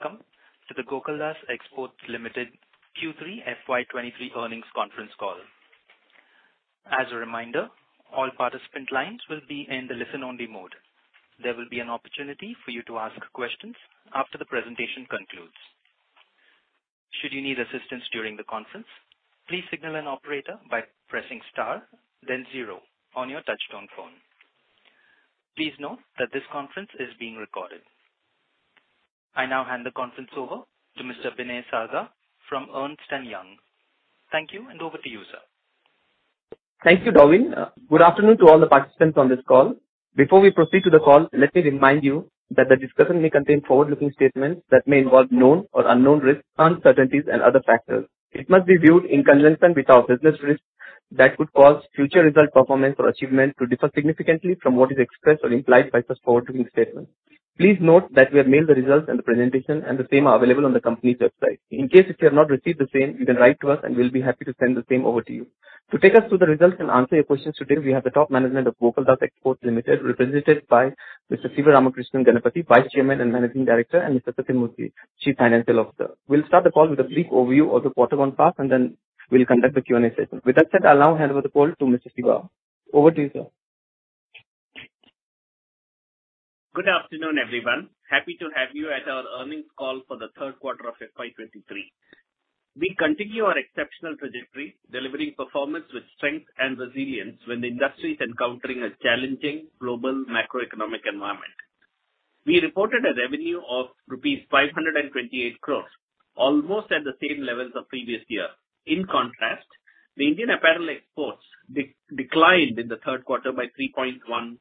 ...Welcome to the Gokaldas Exports Limited Q3 FY 2023 Earnings Conference Call. As a reminder, all participant lines will be in the listen-only mode. There will be an opportunity for you to ask questions after the presentation concludes. Should you need assistance during the conference, please signal an operator by pressing star then zero on your touchtone phone. Please note that this conference is being recorded. I now hand the conference over to Mr. Binay Sarda from Ernst & Young. Thank you, and over to you, sir. Thank you, Darwin. Good afternoon to all the participants on this call. Before we proceed to the call, let me remind you that the discussion may contain forward-looking statements that may involve known or unknown risks, uncertainties and other factors. It must be viewed in conjunction with our business risks that could cause future result, performance, or achievement to differ significantly from what is expressed or implied by such forward-looking statements. Please note that we have mailed the results and the presentation, and the same are available on the company's website. In case if you have not received the same, you can write to us, and we'll be happy to send the same over to you. To take us through the results and answer your questions today, we have the top management of Gokaldas Exports Limited, represented by Mr. Sivaramakrishnan Ganapathi, Vice Chairman and Managing Director. And Mr. Sathyamurthy, Chief Financial Officer: We'll start the call with a brief overview of the quarter gone past, and then we'll conduct the Q&A session. With that said, I'll now hand over the call to Mr. Siva. Over to you, sir. Good afternoon, everyone. Happy to have you at our earnings call for the third quarter of FY '23. We continue our exceptional trajectory, delivering performance with strength and resilience when the industry is encountering a challenging global macroeconomic environment. We reported a revenue of rupees 528 crore, almost at the same levels of previous year. In contrast, the Indian apparel exports declined in the third quarter by 3.1%.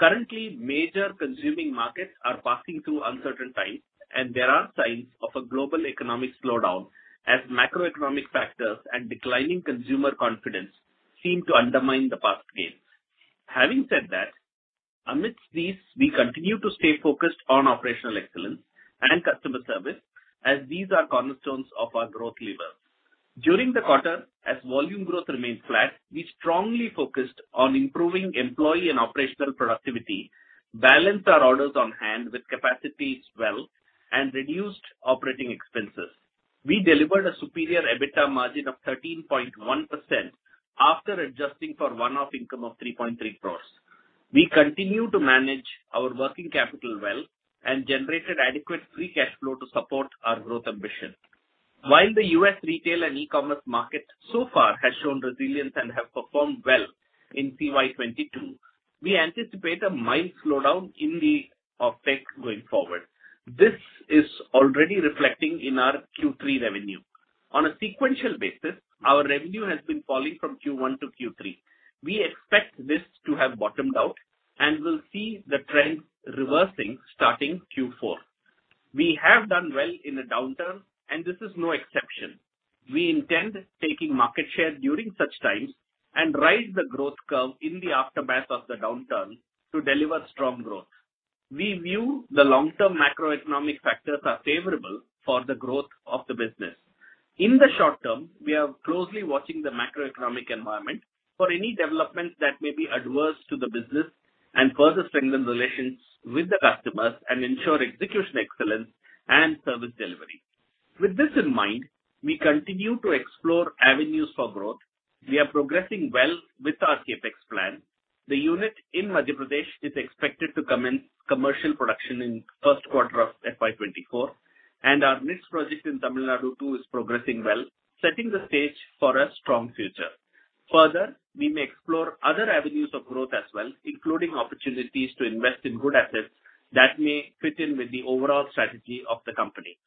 Currently, major consuming markets are passing through uncertain times, and there are signs of a global economic slowdown, as macroeconomic factors and declining consumer confidence seem to undermine the past gains. Having said that, amidst these, we continue to stay focused on operational excellence and customer service, as these are cornerstones of our growth lever. During the quarter, as volume growth remained flat, we strongly focused on improving employee and operational productivity, balanced our orders on hand with capacity well, and reduced operating expenses. We delivered a superior EBITDA margin of 13.1% after adjusting for one-off income of 3.3 crore. We continue to manage our working capital well and generated adequate free cash flow to support our growth ambition. While the U.S. retail and e-commerce market so far has shown resilience and have performed well in CY 2022, we anticipate a mild slowdown in the offtake going forward. This is already reflecting in our Q3 revenue. On a sequential basis, our revenue has been falling from Q1 to Q3. We expect this to have bottomed out, and we'll see the trend reversing starting Q4. We have done well in a downturn, and this is no exception. We intend taking market share during such times and ride the growth curve in the aftermath of the downturn to deliver strong growth. We view the long-term macroeconomic factors are favorable for the growth of the business. In the short term, we are closely watching the macroeconomic environment for any developments that may be adverse to the business and further strengthen relations with the customers and ensure execution excellence and service delivery. With this in mind, we continue to explore avenues for growth. We are progressing well with our CapEx plan. The unit in Madhya Pradesh is expected to commence commercial production in first quarter of FY 2024, and our next project in Tamil Nadu, too, is progressing well, setting the stage for a strong future. Further, we may explore other avenues of growth as well, including opportunities to invest in good assets that may fit in with the overall strategy of the company.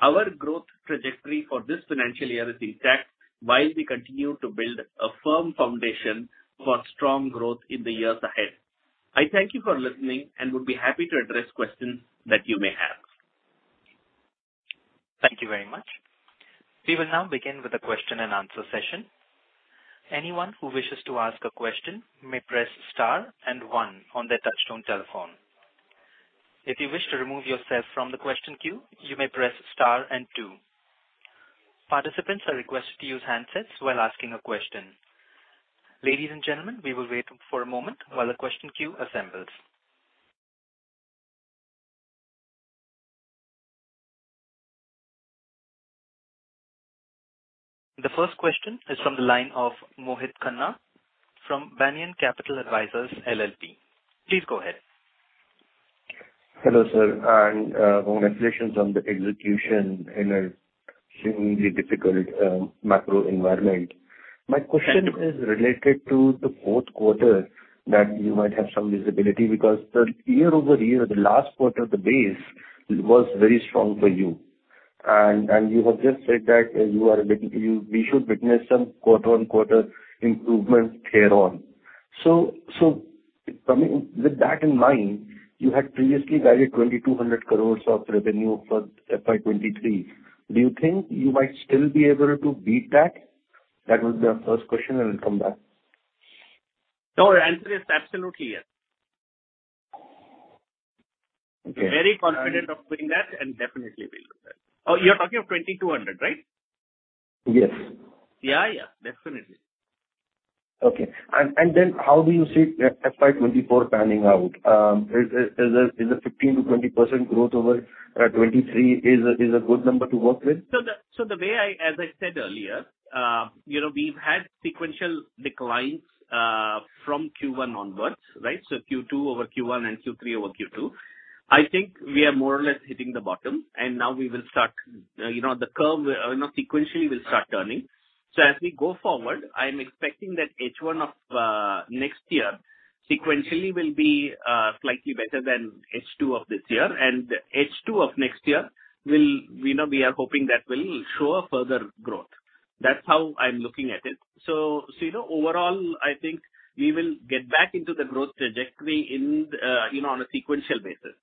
Our growth trajectory for this financial year is intact, while we continue to build a firm foundation for strong growth in the years ahead. I thank you for listening and would be happy to address questions that you may have. Thank you very much. We will now begin with the question-and-answer session. Anyone who wishes to ask a question may press star and one on their touchtone telephone. If you wish to remove yourself from the question queue, you may press star and two. Participants are requested to use handsets while asking a question. Ladies and gentlemen, we will wait for a moment while the question queue assembles. The first question is from the line of Mohit Khanna from Banyan Capital Advisors LLP. Please go ahead. Hello, sir, and congratulations on the execution in an extremely difficult macro environment. My question is related to the fourth quarter, that you might have some visibility, because year-over-year, the last quarter, the base was very strong for you. And you have just said that we should witness some quarter-on-quarter improvement here on. So coming with that in mind, you had previously guided 2,200 crores of revenue for FY 2023. Do you think you might still be able to beat that? That would be our first question, and I'll come back. No, answer is absolutely yes. Okay. Very confident of doing that, and definitely we'll do that. Oh, you're talking of 2,200, right? Yes. Yeah, yeah, definitely. Okay. And then how do you see FY 2024 panning out? Is a 15%-20% growth over 2023 a good number to work with? So the way, as I said earlier, you know, we've had sequential declines from Q1 onwards, right? So Q2 over Q1 and Q3 over Q2. I think we are more or less hitting the bottom, and now we will start, you know, the curve, you know, sequentially will start turning. So as we go forward, I am expecting that H1 of next year, sequentially will be slightly better than H2 of this year. And H2 of next year will... You know, we are hoping that will show a further growth. That's how I'm looking at it. So you know, overall, I think we will get back into the growth trajectory in, you know, on a sequential basis.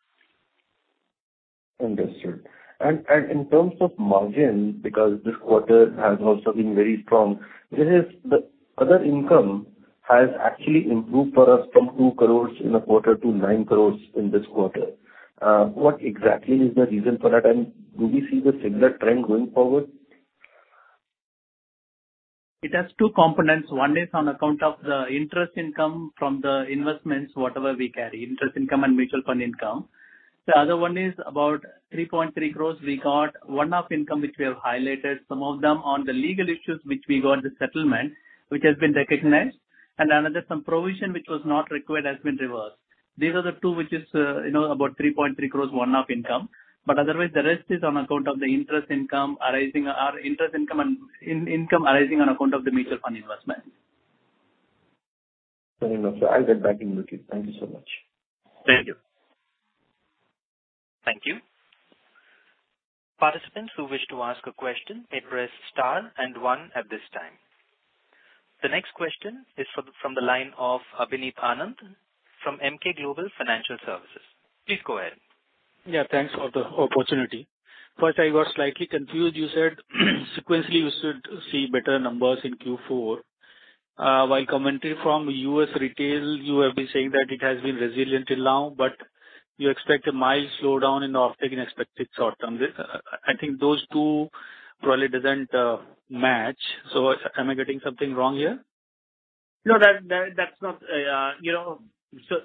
Understood. And in terms of margin, because this quarter has also been very strong, there is the other income has actually improved for us from 2 crore in a quarter to 9 crore in this quarter. What exactly is the reason for that, and do we see the similar trend going forward? It has two components. One is on account of the interest income from the investments, whatever we carry, interest income and mutual fund income. The other one is about 3.3 crores. We got one-off income, which we have highlighted, some of them on the legal issues, which we got the settlement, which has been recognized, and another, some provision, which was not required, has been reversed. These are the two, which is, you know, about 3.3 crores one-off income. But otherwise, the rest is on account of the interest income arising or interest income and income arising on account of the mutual fund investment. Very well, sir. I'll get back to you, Mohit. Thank you so much. Thank you. Thank you. Participants who wish to ask a question, press star and one at this time. The next question is from the line of Abhineet Anand from Emkay Global Financial Services.. Please go ahead. Yeah, thanks for the opportunity. First, I was slightly confused. You said sequentially you should see better numbers in Q4. While commenting from U.S. retail, you have been saying that it has been resilient till now, but you expect a mild slowdown in the offtake in expected short term. This, I think those two probably doesn't match, so am I getting something wrong here? No, that's not, you know.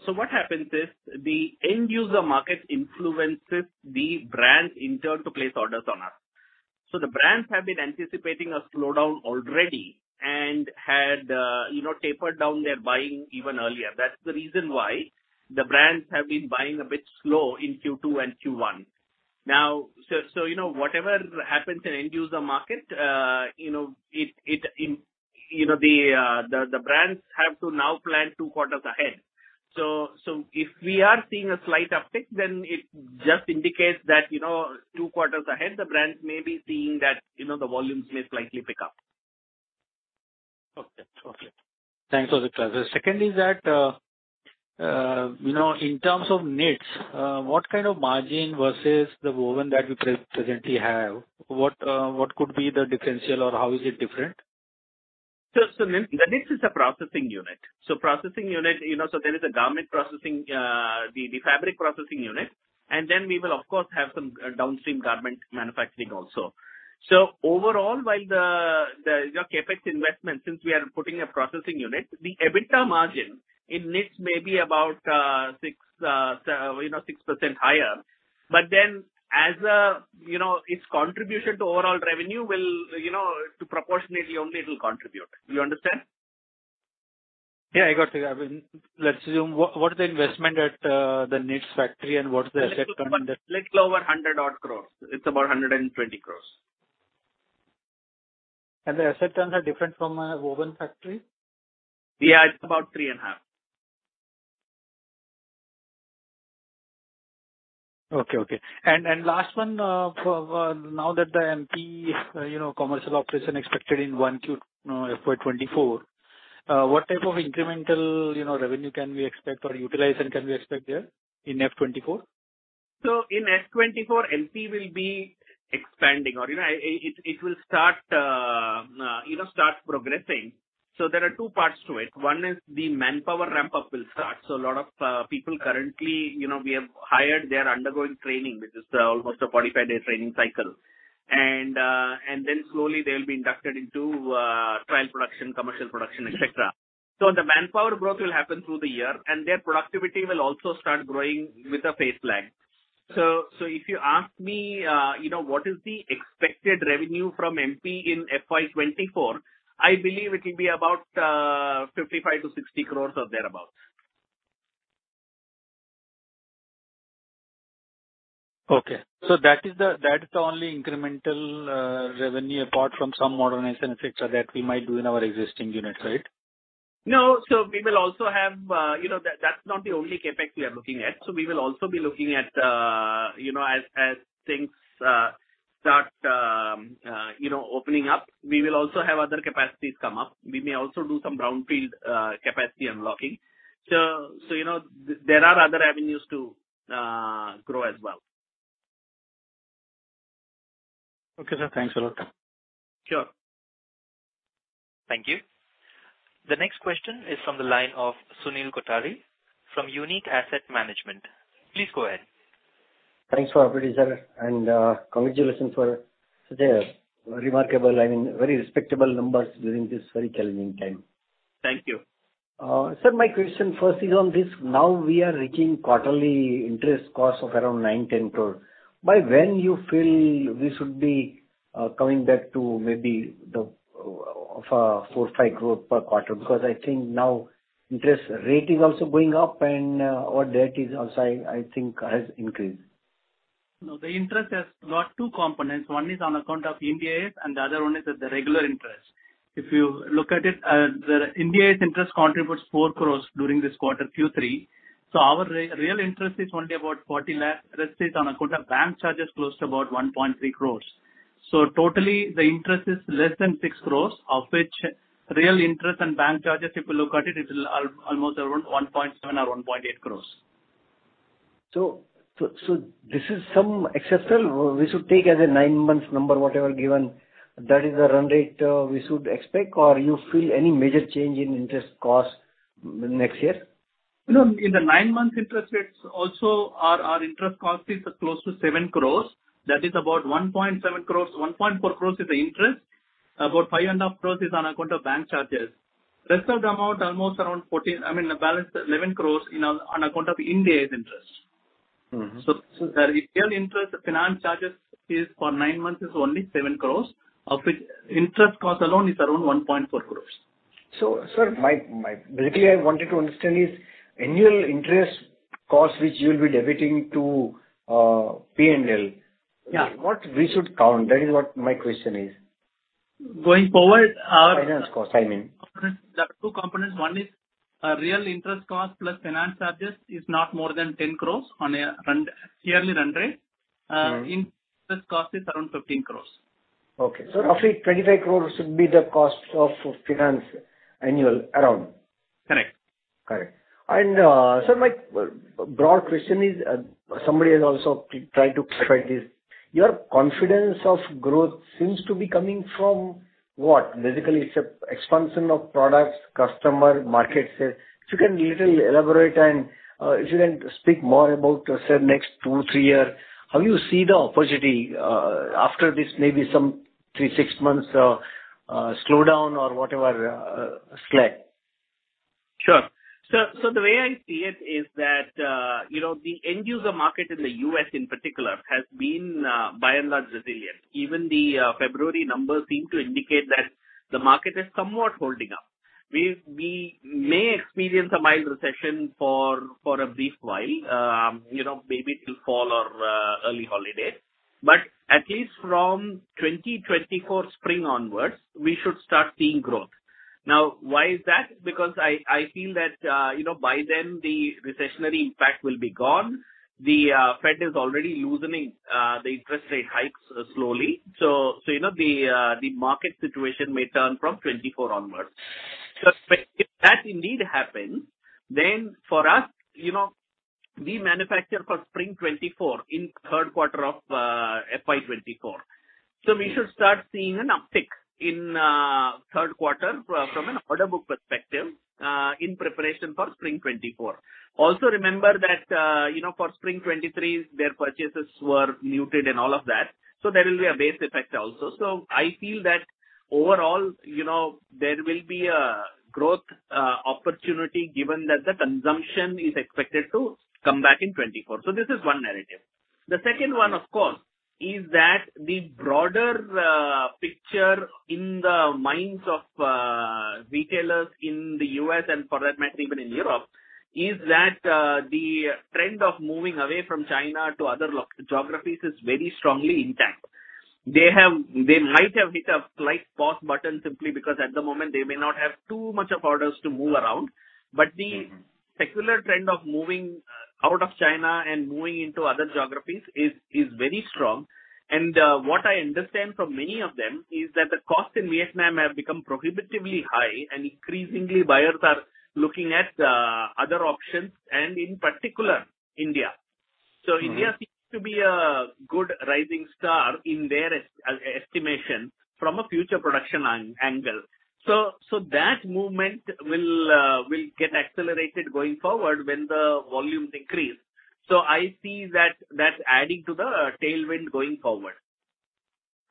So what happens is the end user market influences the brand in turn to place orders on us. So the brands have been anticipating a slowdown already and had, you know, tapered down their buying even earlier. That's the reason why the brands have been buying a bit slow in Q2 and Q1. Now, so, you know, whatever happens in end user market, you know, it influences, you know, the brands have to now plan two quarters ahead. So, if we are seeing a slight uptick, then it just indicates that, you know, two quarters ahead, the brands may be seeing that, you know, the volumes may slightly pick up. Okay. Okay. Thanks for the clarity. Second is that, you know, in terms of knits, what kind of margin versus the woven that you presently have, what could be the differential or how is it different? So, the knits is a processing unit. So processing unit, you know, so there is a garment processing, the, the fabric processing unit, and then we will of course have some, downstream garment manufacturing also. So overall, while the, the, your CapEx investment, since we are putting a processing unit, the EBITDA margin in knits may be about, six, you know, 6% higher. But then, as a, you know, its contribution to overall revenue will, you know, to proportionately only it will contribute. You understand? Yeah, I got you. I mean, let's assume, what is the investment at the knits factory and what's the asset component? Little over 100-odd crore. It's about 120 crore. The asset turns are different from a woven factory? Yeah, it's about 3.5. Okay, okay. And last one, for now that the MP, you know, commercial operation expected in 1Q FY 2024, what type of incremental, you know, revenue can we expect or utilization can we expect there in FY 2024? So in FY 2024, MP will be expanding or, you know, it will start progressing. So there are two parts to it. One is the manpower ramp-up will start. So a lot of people currently, you know, we have hired, they are undergoing training, which is almost a 45-day training cycle. And then slowly they'll be inducted into trial production, commercial production, et cetera. So the manpower growth will happen through the year, and their productivity will also start growing with a phase lag. So if you ask me, you know, what is the expected revenue from MP in FY 2024, I believe it will be about 55-60 crores or thereabout. Okay. So that is the, that is the only incremental, revenue apart from some modernization et cetera, that we might do in our existing units, right? No. So we will also have, you know, that, that's not the only CapEx we are looking at. So we will also be looking at, you know, as things start, you know, opening up, we will also have other capacities come up. We may also do some brownfield capacity unlocking. So, you know, there are other avenues to grow as well. Okay, sir. Thanks a lot. Sure. Thank you. The next question is from the line of Sunil Kothari from Unique Asset Management. Please go ahead.... Thanks for operating, sir, and, congratulations for the remarkable, I mean, very respectable numbers during this very challenging time. Thank you. Sir, my question first is on this: Now we are reaching quarterly interest cost of around 9 crore-10 crore. By when you feel we should be coming back to maybe the, of, four, five crore per quarter? Because I think now interest rate is also going up and our debt is also, I, I think, has increased. No, the interest has got two components. One is on account of Ind AS, and the other one is the regular interest. If you look at it, the Ind AS interest contributes 4 crore during this quarter, Q3. So our real interest is only about 40 lakh. Rest is on account of bank charges close to about 1.3 crore. So totally, the interest is less than 6 crore, of which real interest and bank charges, if you look at it, it is almost around 1.7 or 1.8 crore. So, this is some exceptional we should take as a nine-month number, whatever given, that is the run rate, we should expect, or you feel any major change in interest cost next year? You know, in the nine-month interest rates also, our, our interest cost is close to 7 crore. That is about 1.7 crore. 1.4 crore is the interest. About 5.5 crore is on account of bank charges. Rest of the amount, almost around 14... I mean, the balance, 11 crore is on, on account of Ind AS interest. Mm-hmm. So the real interest, the finance charges is for nine months is only 7 crore, of which interest cost alone is around 1.4 crore. So, sir, basically, I wanted to understand is annual interest cost, which you will be debiting to P&L? Yeah. What we should count? That is what my question is. Going forward, our- Finance cost, I mean. There are two components. One is, real interest cost plus finance charges is not more than 10 crore on a run, yearly run rate. Mm-hmm. Interest cost is around 15 crore. Okay. So- Roughly 25 crore should be the cost of finance annual around? Correct. Correct. So my broad question is, somebody has also tried to clarify this. Your confidence of growth seems to be coming from what? Basically, it's an expansion of products, customers, market share. If you can elaborate a little and, if you can speak more about, say, next two, three years, how you see the opportunity, after this maybe some three, six months slowdown or whatever slack? Sure. So, so the way I see it is that, you know, the end user market in the U.S. in particular has been, by and large, resilient. Even the, February numbers seem to indicate that the market is somewhat holding up. We, we may experience a mild recession for, for a brief while, you know, maybe till Fall or, early Holiday. But at least from 2024 spring onwards, we should start seeing growth. Now, why is that? Because I, I feel that, you know, by then, the recessionary impact will be gone. The, Fed is already loosening, the interest rate hikes slowly. So, so, you know, the, the market situation may turn from 2024 onwards. So if that indeed happens, then for us, you know, we manufacture for Spring 2024 in third quarter of, FY 2024. So we should start seeing an uptick in third quarter from an order book perspective in preparation for Spring 2024. Also remember that, you know, for Spring 2023, their purchases were muted and all of that, so there will be a base effect also. So I feel that overall, you know, there will be a growth opportunity, given that the consumption is expected to come back in 2024. So this is one narrative. The second one, of course, is that the broader picture in the minds of retailers in the U.S., and for that matter, even in Europe, is that the trend of moving away from China to other geographies is very strongly intact. They might have hit a slight pause button simply because at the moment, they may not have too much of orders to move around. Mm-hmm. But the secular trend of moving out of China and moving into other geographies is very strong. And what I understand from many of them is that the costs in Vietnam have become prohibitively high, and increasingly, buyers are looking at other options, and in particular, India. Mm-hmm. So India seems to be a good rising star in their estimation from a future production angle. So that movement will get accelerated going forward when the volume decrease. So I see that adding to the tailwind going forward.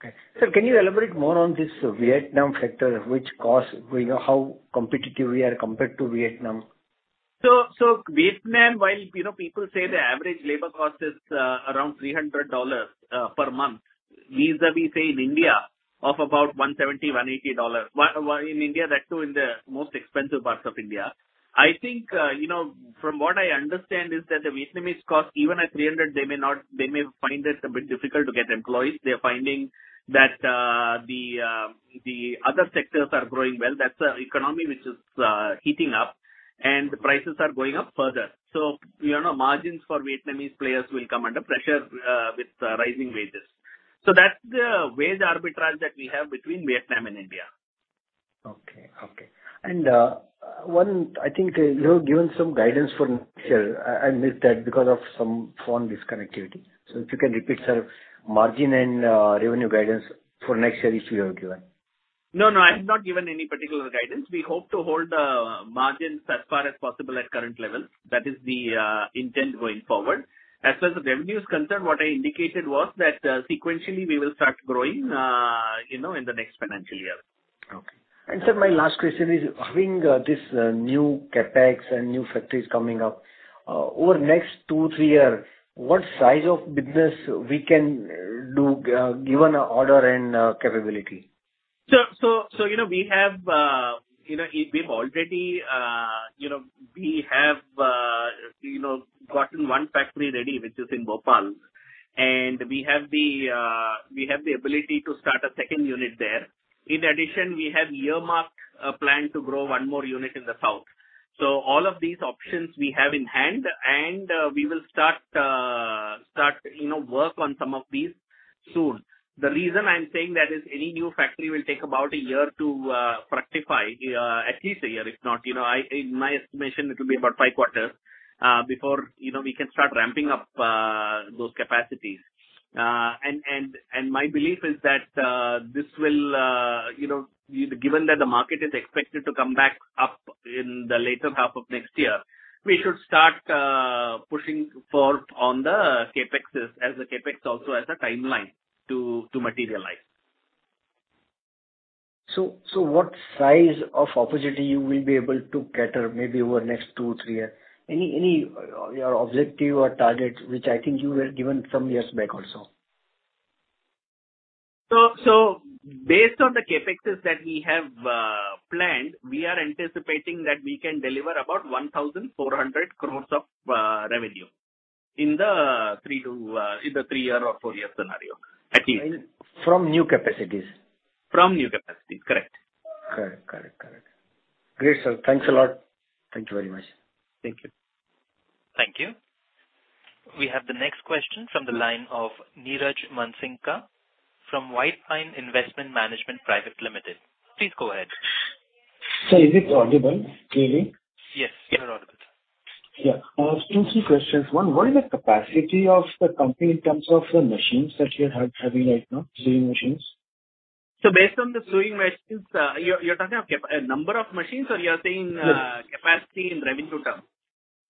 Okay. Sir, can you elaborate more on this Vietnam factor, which cost, you know, how competitive we are compared to Vietnam? So, Vietnam, while, you know, people say the average labor cost is around $300 per month, vis-à-vis say in India, of about $170-$180. In India, that too, in the most expensive parts of India. I think, you know, from what I understand is that the Vietnamese cost, even at $300, they may not, they may find it a bit difficult to get employees. They're finding that the other sectors are growing well. That's an economy which is heating up, and prices are going up further. So, you know, margins for Vietnamese players will come under pressure with rising wages. So that's the wage arbitrage that we have between Vietnam and India. Okay, okay. And, one... I think you have given some guidance for next year. I, I missed that because of some phone disconnectivity. So if you can repeat, sir, margin and, revenue guidance for next year, which you have given. ...No, no, I have not given any particular guidance. We hope to hold the margins as far as possible at current levels. That is the intent going forward. As far as the revenue is concerned, what I indicated was that sequentially we will start growing, you know, in the next financial year. Okay. Sir, my last question is, having this new CapEx and new factories coming up over the next two, three years, what size of business we can do, given order and capability? So, you know, we have, you know, we've already, you know, we have, you know, gotten one factory ready, which is in Bhopal, and we have the, we have the ability to start a second unit there. In addition, we have earmarked a plan to grow one more unit in the south. So all of these options we have in hand, and, we will start, start, you know, work on some of these soon. The reason I'm saying that is any new factory will take about a year to, fructify, at least a year, if not, you know, in my estimation, it will be about five quarters, before, you know, we can start ramping up, those capacities. My belief is that, you know, given that the market is expected to come back up in the later half of next year, we should start pushing for on the CapEx as the CapEx also has a timeline to materialize. So, what size of opportunity you will be able to cater maybe over the next two, three years? Any, any, your objective or target, which I think you were given some years back also. So, based on the CapEx that we have planned, we are anticipating that we can deliver about 1,400 crore of revenue in the three- to four-year scenario, at least. From new capacities? From new capacities, correct. Correct. Correct. Correct. Great, sir. Thanks a lot. Thank you very much. Thank you. Thank you. We have the next question from the line of Niraj Mansingka from White Pine Investment Management Private Limited. Please go ahead. Sir, is it audible clearly? Yes, you are audible, sir. Yeah. Just two questions. One, what is the capacity of the company in terms of the machines that you are have, having right now, sewing machines? Based on the sewing machines, you're talking of number of machines or you're saying? Yes. capacity in revenue term?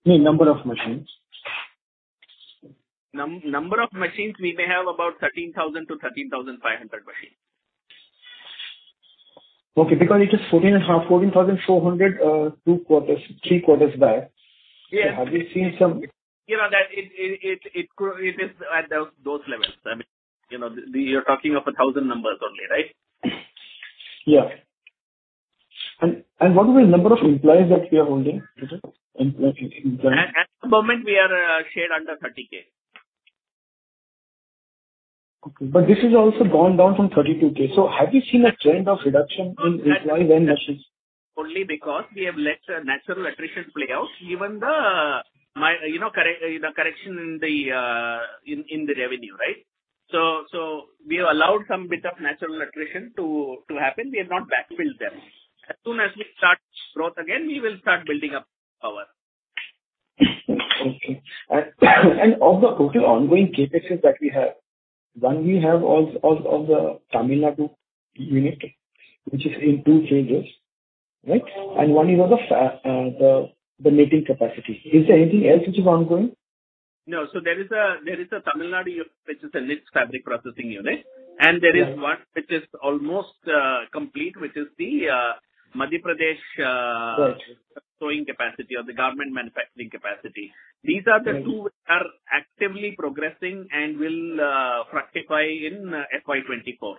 No, number of machines. Number of machines, we may have about 13,000-13,500 machines. Okay, because it is 14.5, 14,400, two quarters, three quarters back. Yes. Have you seen some? You know that it is at those levels. I mean, you know, you're talking of 1,000 numbers only, right? Yeah. And what are the number of employees that you are holding, employees? At the moment we are still under 30K. This is also gone down from 32,000. Have you seen a trend of reduction in employee and machines? Only because we have let natural attrition play out, given the... You know, the correction in the revenue, right? So, we have allowed some bit of natural attrition to happen. We have not backfilled them. As soon as we start growth again, we will start building up our Okay. Of the total ongoing CapEx that we have, one is of the Tamil Nadu unit, which is in two to three years, right? And one is of the knitting capacity. Is there anything else which is ongoing? No. So there is a Tamil Nadu, which is a knit fabric processing unit, and there is- Right. one which is almost complete, which is the Madhya Pradesh Right. Sewing capacity or the garment manufacturing capacity. Right. These are the two which are actively progressing and will fructify in FY 2024.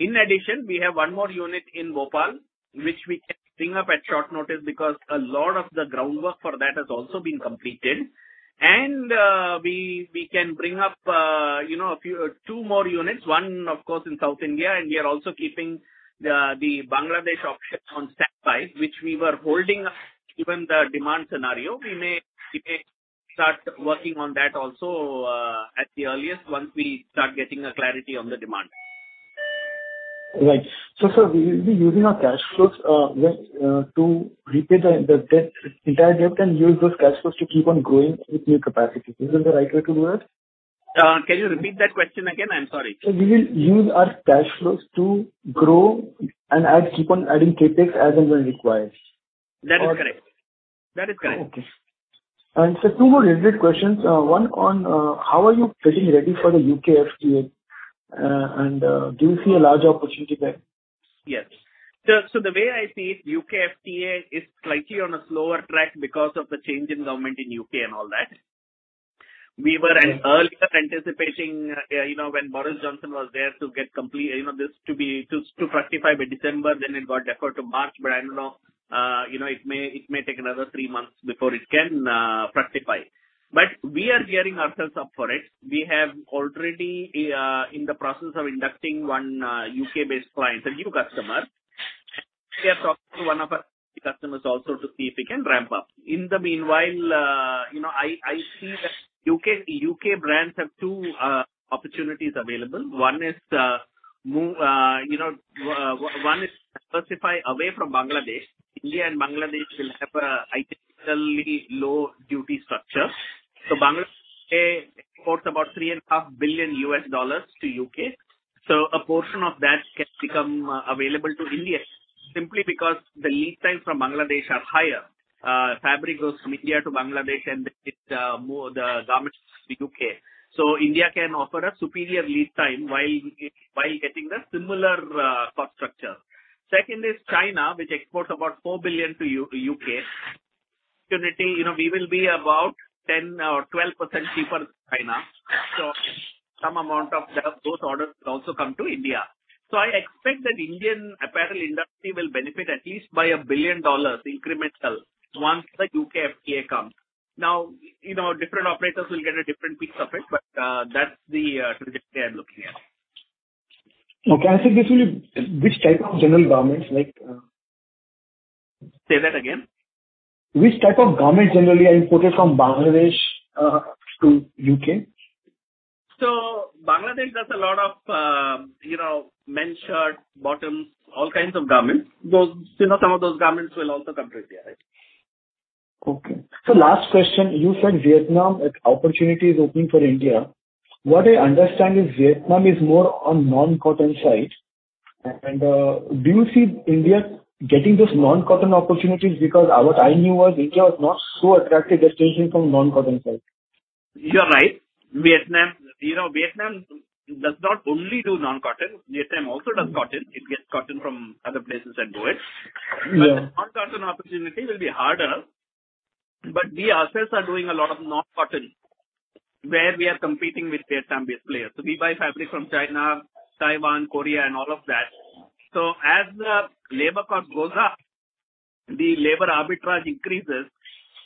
In addition, we have one more unit in Bhopal, which we can bring up at short notice because a lot of the groundwork for that has also been completed. And we can bring up, you know, a few two more units, one of course, in South India, and we are also keeping the Bangladesh option on standby, which we were holding up, given the demand scenario. We may start working on that also at the earliest, once we start getting a clarity on the demand. Right. So, sir, we will be using our cash flows to repay the debt, entire debt, and use those cash flows to keep on growing with new capacity. Is this the right way to do it? Can you repeat that question again? I'm sorry. We will use our cash flows to grow and add, keep on adding CapEx as and when required. That is correct. That is correct. Okay. And sir, two more related questions. One on, how are you getting ready for the U.K. FTA, and, do you see a large opportunity there? Yes. So, the way I see it, U.K. FTA is slightly on a slower track because of the change in government in U.K. and all that. Right. We were earlier anticipating, you know, when Boris Johnson was there to get complete, you know, this to be to fructify by December, then it got deferred to March, but I don't know, you know, it may, it may take another three months before it can fructify. But we are gearing ourselves up for it. We have already in the process of inducting one U.K.-based client, a new customer. We are talking to one of our customers also to see if we can ramp up. In the meanwhile, you know, I see that U.K. brands have two opportunities available. One is, move, you know, one is fructify away from Bangladesh. India and Bangladesh will have an identical low duty structure. So Bangladesh exports about $3.5 billion to the U.K. So a portion of that can become available to India, simply because the lead time from Bangladesh are higher. Fabric goes from India to Bangladesh, and then it move the garments to U.K. So India can offer a superior lead time while having the similar cost structure. Second is China, which exports about $4 billion to U.K. You know, we will be about 10% or 12% cheaper than China, so some amount of those orders will also come to India. So I expect that Indian apparel industry will benefit at least by $1 billion incremental once the U.K. FTA comes. Now, you know, different operators will get a different piece of it, but that's the trajectory I'm looking at. Okay, I think this will be, which type of general garments, like Say that again? Which type of garment generally are imported from Bangladesh to U.K.? So, Bangladesh does a lot of, you know, men's shirt, bottoms, all kinds of garments. Those, you know, some of those garments will also come to India. Okay. So last question: You said Vietnam, its opportunity is open for India. What I understand is Vietnam is more on non-cotton side. And, do you see India getting those non-cotton opportunities? Because what I knew was India was not so attractive destination from non-cotton side. You're right. Vietnam, you know, Vietnam does not only do non-cotton, Vietnam also does cotton. It gets cotton from other places and do it. Yeah. But the non-cotton opportunity will be harder, but we ourselves are doing a lot of non-cotton, where we are competing with Vietnam-based players. So we buy fabric from China, Taiwan, Korea, and all of that. So as the labor cost goes up, the labor arbitrage increases,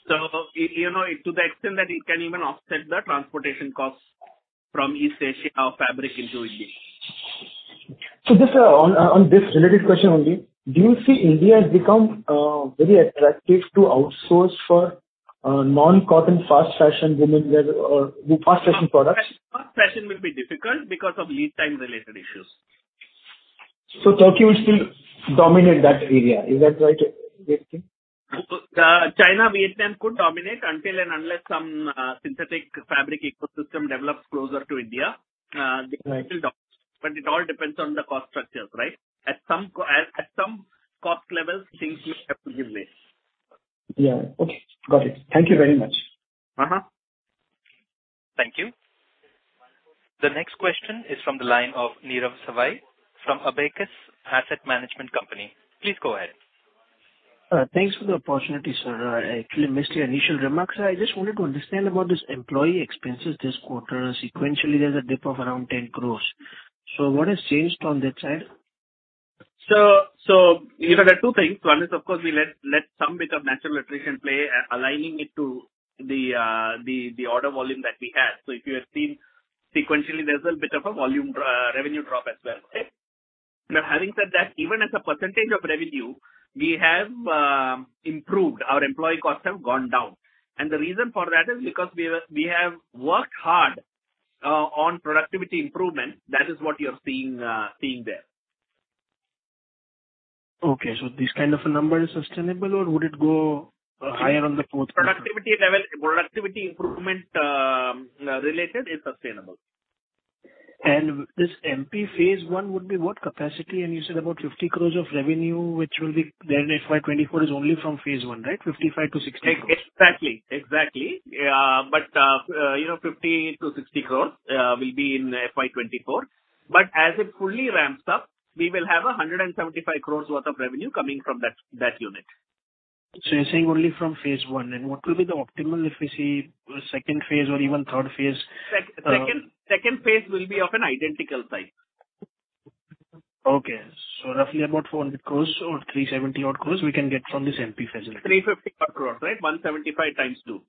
so you know, to the extent that it can even offset the transportation costs from East Asia of fabric into India. So just, on this related question only, do you see India has become very attractive to outsource for non-cotton, fast fashion, women wear, the fast fashion products? Fast fashion will be difficult because of lead time related issues. Turkey will still dominate that area. Is that right, do you think? China, Vietnam could dominate until and unless some synthetic fabric ecosystem develops closer to India. Right. But it all depends on the cost structures, right? At some cost level, things will have to give way. Yeah. Okay, got it. Thank you very much. Uh-huh. Thank you. The next question is from the line of Nirav Savai from Abakkus Asset Management Company. Please go ahead. Thanks for the opportunity, sir. I actually missed your initial remarks. I just wanted to understand about this employee expenses this quarter. Sequentially, there's a dip of around 10 crore. So what has changed on that side? So, you know, there are two things. One is, of course, we let some bit of natural attrition play, aligning it to the order volume that we had. So if you have seen, sequentially, there's a bit of a volume revenue drop as well. Now, having said that, even as a percentage of revenue, we have improved, our employee costs have gone down. And the reason for that is because we have worked hard on productivity improvement. That is what you're seeing there. Okay, so this kind of a number is sustainable, or would it go higher on the fourth quarter? Productivity level, productivity improvement, related, is sustainable. This MP phase one would be what capacity? You said about 50 crores of revenue, which will be then FY 2024 is only from phase one, right? 55 crores-60 crores. Exactly, exactly. But, you know, 50-60 crores will be in FY 2024. But as it fully ramps up, we will have 175 crores worth of revenue coming from that unit. So you're saying only from phase one, and what will be the optimal if we see second phase or even third phase? Second phase will be of an identical type. Okay. So roughly about 400 crores or 370 odd crores we can get from this MP facility. 350 crores, right? 175 times two.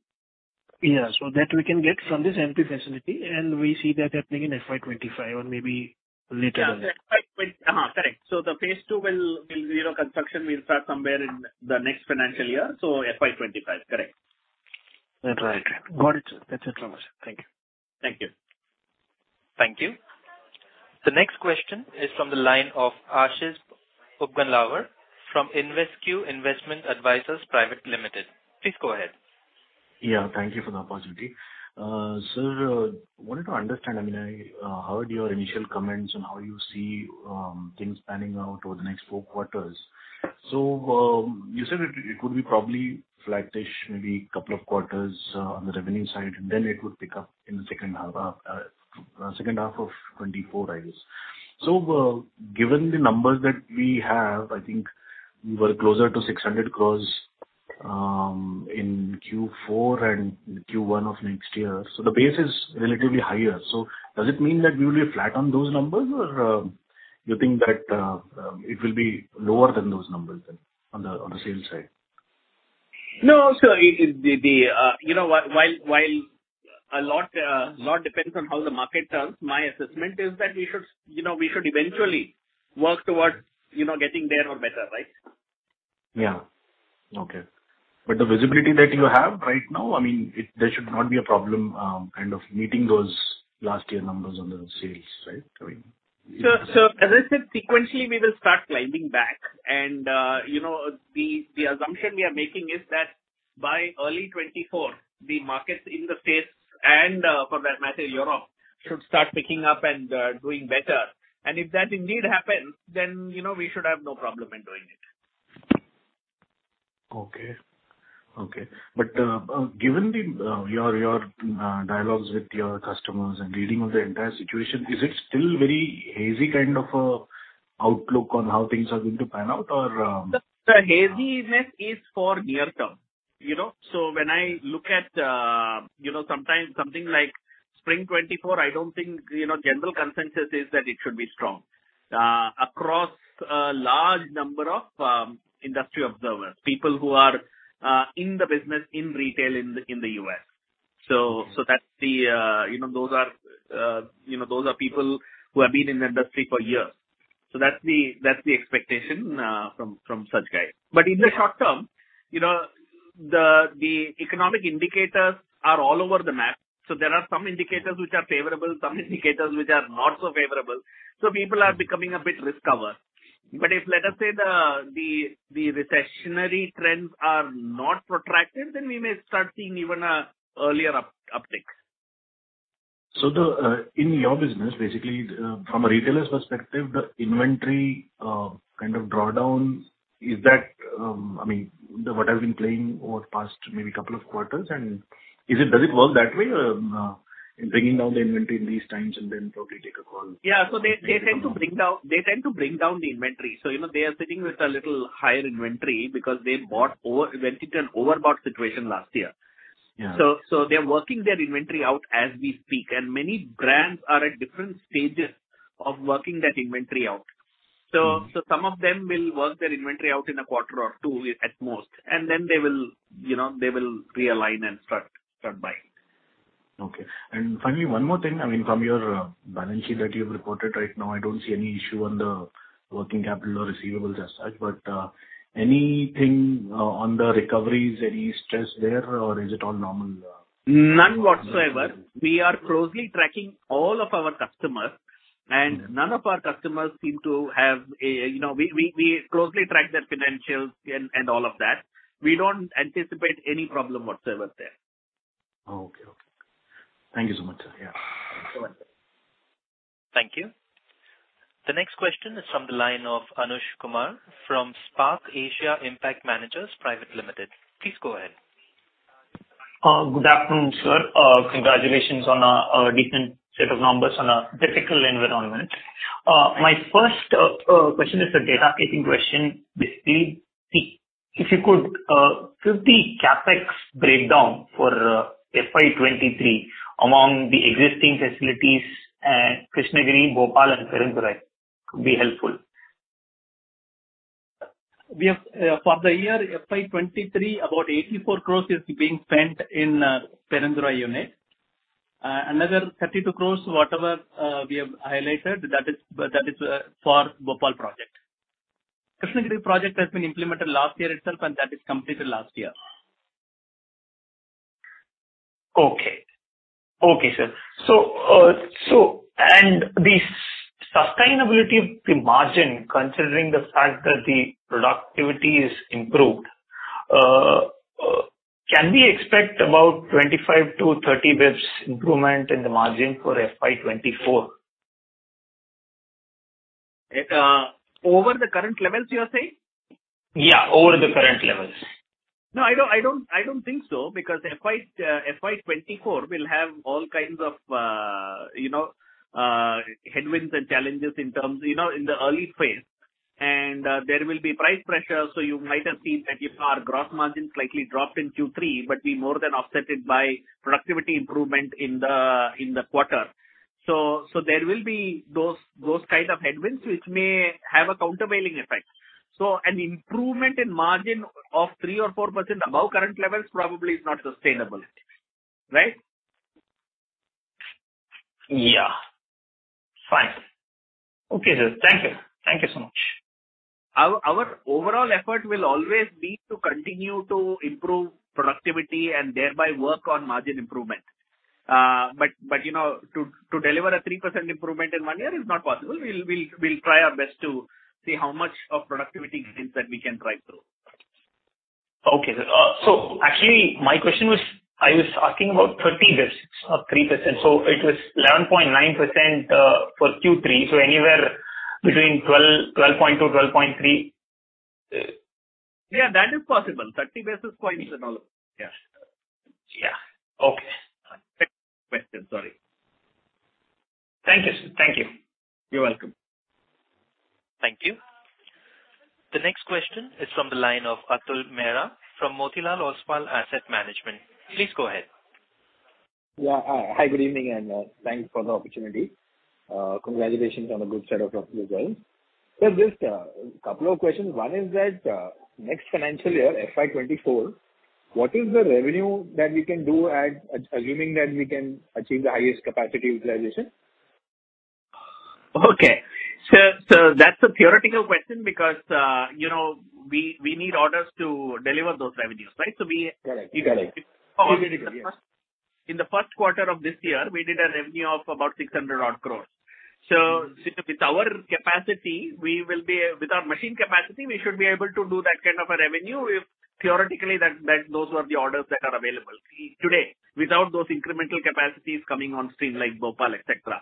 Yeah. So that we can get from this MP facility, and we see that happening in FY 2025 or maybe later. Yes. Uh-huh. Correct. So the phase two will, will, you know, construction will start somewhere in the next financial year, so FY 2025. Correct. Right. Got it. That's it from us. Thank you. Thank you. Thank you. The next question is from the line of Aashish Upganlawar from InvesQ Investment Advisors Private Limited. Please go ahead. Yeah, thank you for the opportunity. So, wanted to understand, I mean, I heard your initial comments on how you see things panning out over the next four quarters. So, you said it would be probably flattish, maybe couple of quarters on the revenue side, and then it would pick up in the second half of 2024, I guess. So, given the numbers that we have, I think we were closer to 600 crore in Q4 and Q1 of next year, so the base is relatively higher. So does it mean that we will be flat on those numbers, or you think that it will be lower than those numbers then, on the sales side? No, so, you know, while a lot depends on how the market turns, my assessment is that we should, you know, we should eventually work towards, you know, getting there or better, right? Yeah. Okay. But the visibility that you have right now, I mean, there should not be a problem kind of meeting those last year numbers on the sales, right? I mean- So, as I said, sequentially, we will start climbing back. And, you know, the assumption we are making is that by early 2024, the markets in the States, and, for that matter, Europe, should start picking up and doing better. And if that indeed happens, then, you know, we should have no problem in doing it. Okay. Okay. But, given your dialogues with your customers and reading of the entire situation, is it still very hazy kind of outlook on how things are going to pan out or? The haziness is for near term, you know. So when I look at something like Spring 2024, I don't think, you know, general consensus is that it should be strong across a large number of industry observers, people who are in the business in retail in the U.S. So that's the, you know, those are people who have been in the industry for years. So that's the expectation from such guys. But in the short term, you know, the economic indicators are all over the map. So there are some indicators which are favorable, some indicators which are not so favorable, so people are becoming a bit risk-averse. But if, let us say, the recessionary trends are not protracted, then we may start seeing even a earlier uptick. So the, in your business, basically, from a retailer's perspective, the inventory, kind of drawdown, is that, I mean, the, what has been playing over the past maybe couple of quarters? And is it, does it work that way, in bringing down the inventory in these times and then probably take a call? Yeah. So they tend to bring down the inventory. So, you know, they are sitting with a little higher inventory because they went into an overbought situation last year. Yeah. So, they're working their inventory out as we speak, and many brands are at different stages of working that inventory out. So, some of them will work their inventory out in a quarter or two at most, and then they will, you know, they will realign and start buying. Okay. Finally, one more thing, I mean, from your balance sheet that you've reported right now, I don't see any issue on the working capital or receivables as such, but anything on the recoveries, any stress there, or is it all normal? None whatsoever. We are closely tracking all of our customers, and none of our customers seem to have a... You know, we closely track their financials and all of that. We don't anticipate any problem whatsoever there. Oh, okay. Okay. Thank you so much, sir. Yeah. You're welcome. Thank you. The next question is from the line of Anush Kumar from Spark Asia Impact Managers Private Limited. Please go ahead. Good afternoon, sir. Congratulations on a decent set of numbers on a difficult environment. My first question is a data-taking question. Basically, if you could give the CapEx breakdown for FY 2023 among the existing facilities at Krishnagiri, Bhopal, and Perundurai, could be helpful. We have, for the year FY 2023, about 84 crore is being spent in Perundurai unit. Another 32 crore, whatever we have highlighted, that is, that is, for Bhopal project. Krishnagiri project has been implemented last year itself, and that is completed last year. Okay. Okay, sir. So, the sustainability of the margin, considering the fact that the productivity is improved, can we expect about 25-30 basis points improvement in the margin for FY 2024? Over the current levels, you are saying? Yeah, over the current levels. No, I don't think so, because FY 2024 will have all kinds of, you know, headwinds and challenges in terms, you know, in the early phase. There will be price pressures, so you might have seen that our gross margin slightly dropped in Q3, but we more than offset it by productivity improvement in the quarter. So there will be those kind of headwinds, which may have a countervailing effect. So an improvement in margin of 3% or 4% above current levels probably is not sustainable. Right? Yeah. Fine. Okay, sir. Thank you. Thank you so much. Our overall effort will always be to continue to improve productivity and thereby work on margin improvement. But, you know, to deliver a 3% improvement in one year is not possible. We'll try our best to see how much of productivity gains that we can drive through. Okay, sir. So actually, my question was, I was asking about 30 bps or 3%, so it was 11.9%, for Q3, so anywhere between 12, 12.2, 12.3. Yeah, that is possible. 30 basis points is all. Yeah. Yeah. Okay. Question. Sorry. Thank you, sir. Thank you. You're welcome. Thank you. The next question is from the line of Atul Mehra from Motilal Oswal Asset Management. Please go ahead. Yeah. Hi, good evening, and thanks for the opportunity. Congratulations on the good set of results. So just a couple of questions. One is that next financial year, FY 2024, what is the revenue that we can do at, assuming that we can achieve the highest capacity utilization?... Okay. So, so that's a theoretical question because, you know, we, we need orders to deliver those revenues, right? So we- Correct. Correct. In the first quarter of this year, we did a revenue of about 600-odd crore. So with, with our capacity, we will be—with our machine capacity, we should be able to do that kind of a revenue if theoretically, that those were the orders that are available today, without those incremental capacities coming on stream like Bhopal, et cetera.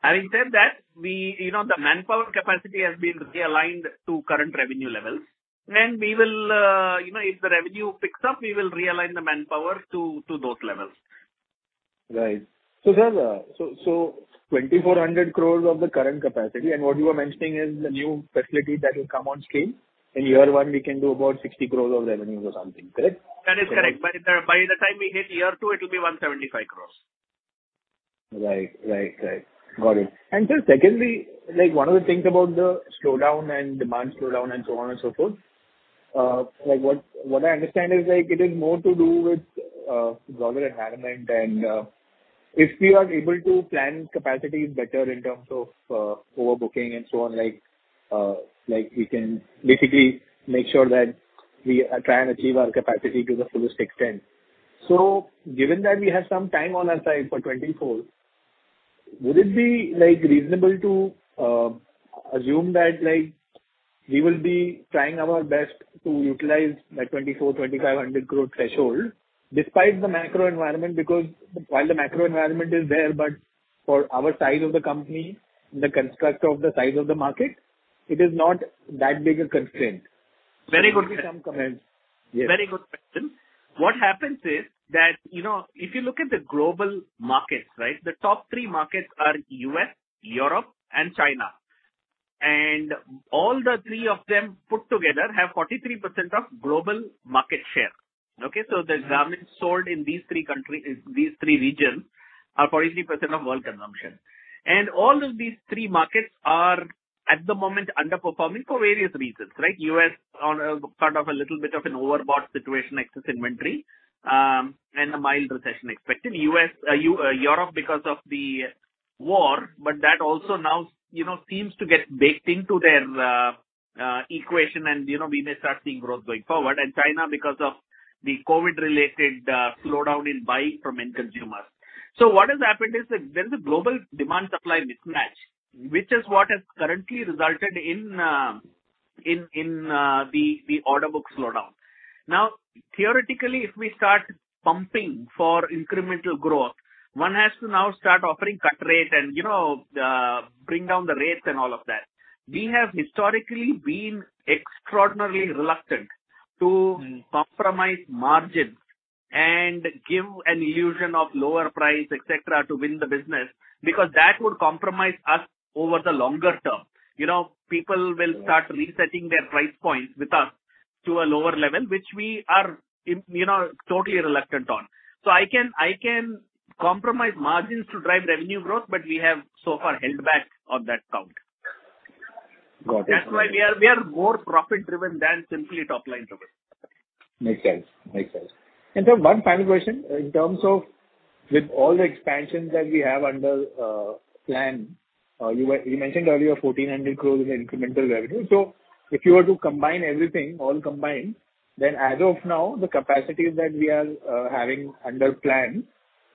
Having said that, we, you know, the manpower capacity has been realigned to current revenue levels, and we will, you know, if the revenue picks up, we will realign the manpower to, to those levels. Right. So sir, 2,400 crore of the current capacity, and what you were mentioning is the new facility that will come on stream. In year one, we can do about 60 crore of revenues or something, correct? That is correct. By the time we hit year two, it will be 175 crore. Right. Right. Right. Got it. And sir, secondly, like, one of the things about the slowdown and demand slowdown and so on and so forth, like, what, what I understand is, like, it is more to do with global environment and... If we are able to plan capacities better in terms of overbooking and so on, like, like, we can basically make sure that we try and achieve our capacity to the fullest extent. So given that we have some time on our side for 2024, would it be, like, reasonable to assume that, like, we will be trying our best to utilize the 2,400 crore-2,500 crore threshold despite the macro environment? Because while the macro environment is there, but for our size of the company, the construct of the size of the market, it is not that big a constraint. Very good question. Yes. Very good question. What happens is that, you know, if you look at the global markets, right? The top three markets are U.S., Europe, and China. And all the three of them put together have 43% of global market share. Okay, so the garments sold in these three country, these three regions, are 43% of world consumption. And all of these three markets are, at the moment, underperforming for various reasons, right? U.S. on a kind of a little bit of an overbought situation, excess inventory, and a mild recession expected. U.S., Europe because of the war, but that also now, you know, seems to get baked into their equation, and, you know, we may start seeing growth going forward. And China because of the COVID-related slowdown in buying from end consumers. So what has happened is that there's a global demand-supply mismatch, which is what has currently resulted in the order book slowdown. Now, theoretically, if we start pumping for incremental growth, one has to now start offering cut rate and, you know, bring down the rates and all of that. We have historically been extraordinarily reluctant to- Mm. -compromise margin and give an illusion of lower price, et cetera, to win the business, because that would compromise us over the longer term. You know, people will start resetting their price points with us to a lower level, which we are, you know, totally reluctant on. So I can, I can compromise margins to drive revenue growth, but we have so far held back on that count. Got it. That's why we are more profit-driven than simply top-line driven. Makes sense. Makes sense. Sir, one final question: in terms of with all the expansions that we have under plan, you were, you mentioned earlier 1,400 crores in incremental revenue. So if you were to combine everything, all combined, then as of now, the capacities that we are having under plan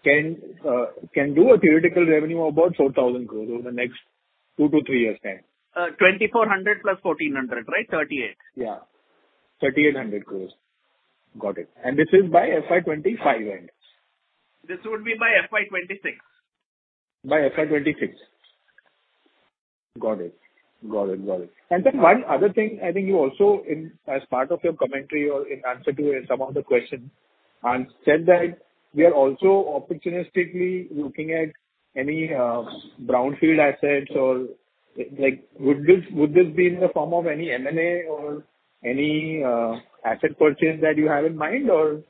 can can do a theoretical revenue of about 4,000 crores over the next two to three years' time. 2,400+ 1,400, right? 38. Yeah, 3,800 crore. Got it. And this is by FY 25 end? This would be by FY 2026. By FY 26. Got it. Got it, got it. Uh- Then one other thing, I think you also, in, as part of your commentary or in answer to some of the questions, said that we are also opportunistically looking at any, brownfield assets or, like, would this, would this be in the form of any M&A or any, asset purchase that you have in mind, or,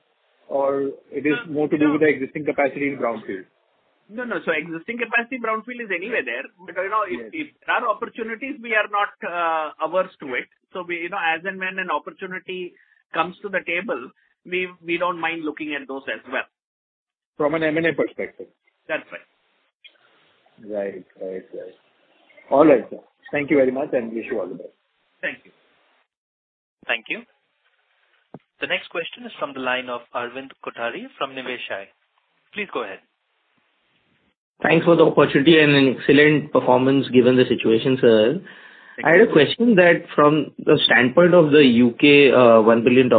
or it is- No, no. More to do with the existing capacity in brownfield? No, no. So existing capacity, brownfield is anyway there. Yes. You know, if there are opportunities, we are not averse to it. We, you know, as and when an opportunity comes to the table, we don't mind looking at those as well. From an M&A perspective? That's right. Right. Right. Right. All right, sir. Thank you very much, and wish you all the best. Thank you. Thank you. The next question is from the line of Arvind Kothari from Niveshaay. Please go ahead. Thanks for the opportunity and an excellent performance, given the situation, sir. I had a question that from the standpoint of the U.K., $1 billion,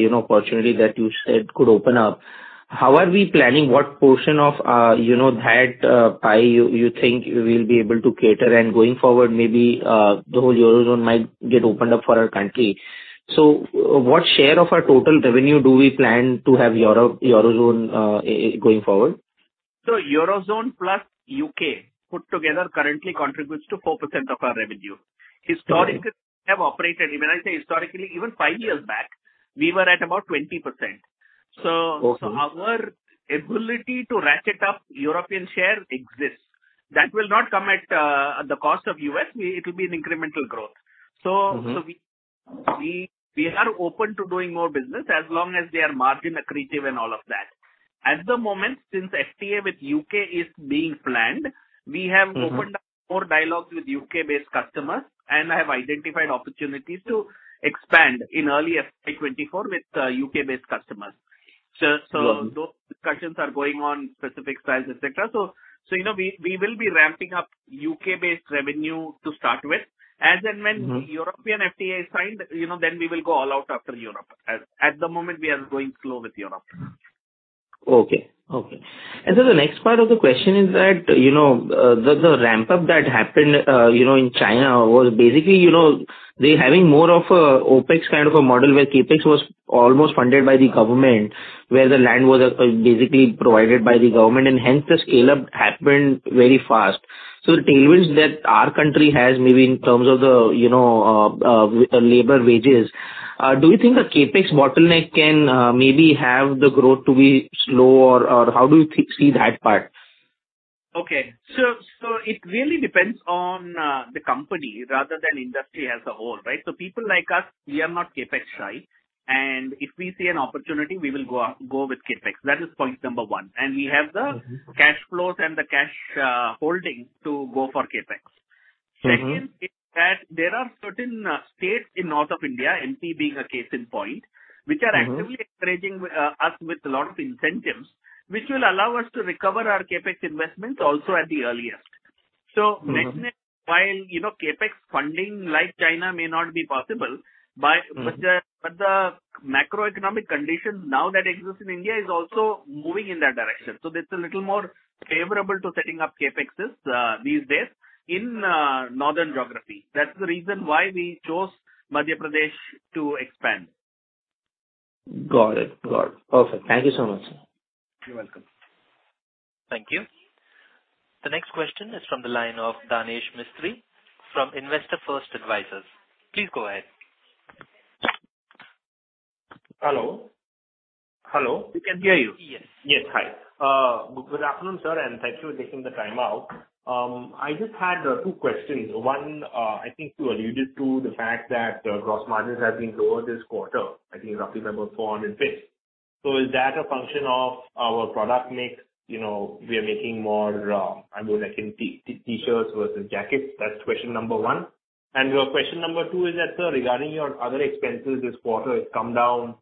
you know, opportunity that you said could open up, how are we planning? What portion of, you know, that, pie you, you think we'll be able to cater? And going forward, maybe, the whole Eurozone might get opened up for our country. So what share of our total revenue do we plan to have Europe, Eurozone, going forward? Eurozone plus U.K. put together currently contributes to 4% of our revenue. Okay. Historically, we have operated... When I say historically, even five years back, we were at about 20%. Okay. Our ability to ratchet up European share exists. That will not come at the cost of U.S. It will be an incremental growth. Mm-hmm. So we are open to doing more business as long as they are margin accretive and all of that.... At the moment, since FTA with U.K. is being planned, we have- Mm-hmm. -opened up more dialogues with U.K.-based customers, and I have identified opportunities to expand in early FY 2024 with U.K.-based customers. Yeah. So, those discussions are going on specific styles, et cetera. So, you know, we will be ramping up U.K.-based revenue to start with. Mm-hmm. As and when European FTA is signed, you know, then we will go all out after Europe. At the moment, we are going slow with Europe. Okay, okay. And so the next part of the question is that, you know, the ramp-up that happened, you know, in China was basically, you know, they're having more of a OpEx kind of a model, where CapEx was almost funded by the government, where the land was basically provided by the government, and hence the scale-up happened very fast. So the tailwinds that our country has, maybe in terms of the, you know, the labor wages, do you think a CapEx bottleneck can maybe have the growth to be slow, or, or how do you see that part? Okay. So, so it really depends on, the company rather than industry as a whole, right? So people like us, we are not CapEx shy, and if we see an opportunity, we will go with CapEx. That is point number one. Mm-hmm. We have the cash flows and the cash holdings to go for CapEx. Mm-hmm. Second, is that there are certain states in north of India, MP being a case in point- Mm-hmm... which are actively encouraging us with a lot of incentives, which will allow us to recover our CapEx investments also at the earliest. Mm-hmm. Next, while, you know, CapEx funding like China may not be possible by- Mm... but the macroeconomic conditions now that exist in India is also moving in that direction. So it's a little more favorable to setting up CapEx these days in northern geography. That's the reason why we chose Madhya Pradesh to expand. Got it. Got it. Perfect. Thank you so much, sir. You're welcome. Thank you. The next question is from the line of Danesh Mistry from Investor First Advisors. Please go ahead. Hello? Hello. We can hear you. Yes. Yes, hi. Good afternoon, sir, and thank you for taking the time out. I just had two questions. One, I think you alluded to the fact that gross margins have been lower this quarter. I think roughly about four and five. So is that a function of our product mix? You know, we are making more, I don't know, like T-shirts versus jackets. That's question number one. And question number two is that, sir, regarding your other expenses this quarter, it's come down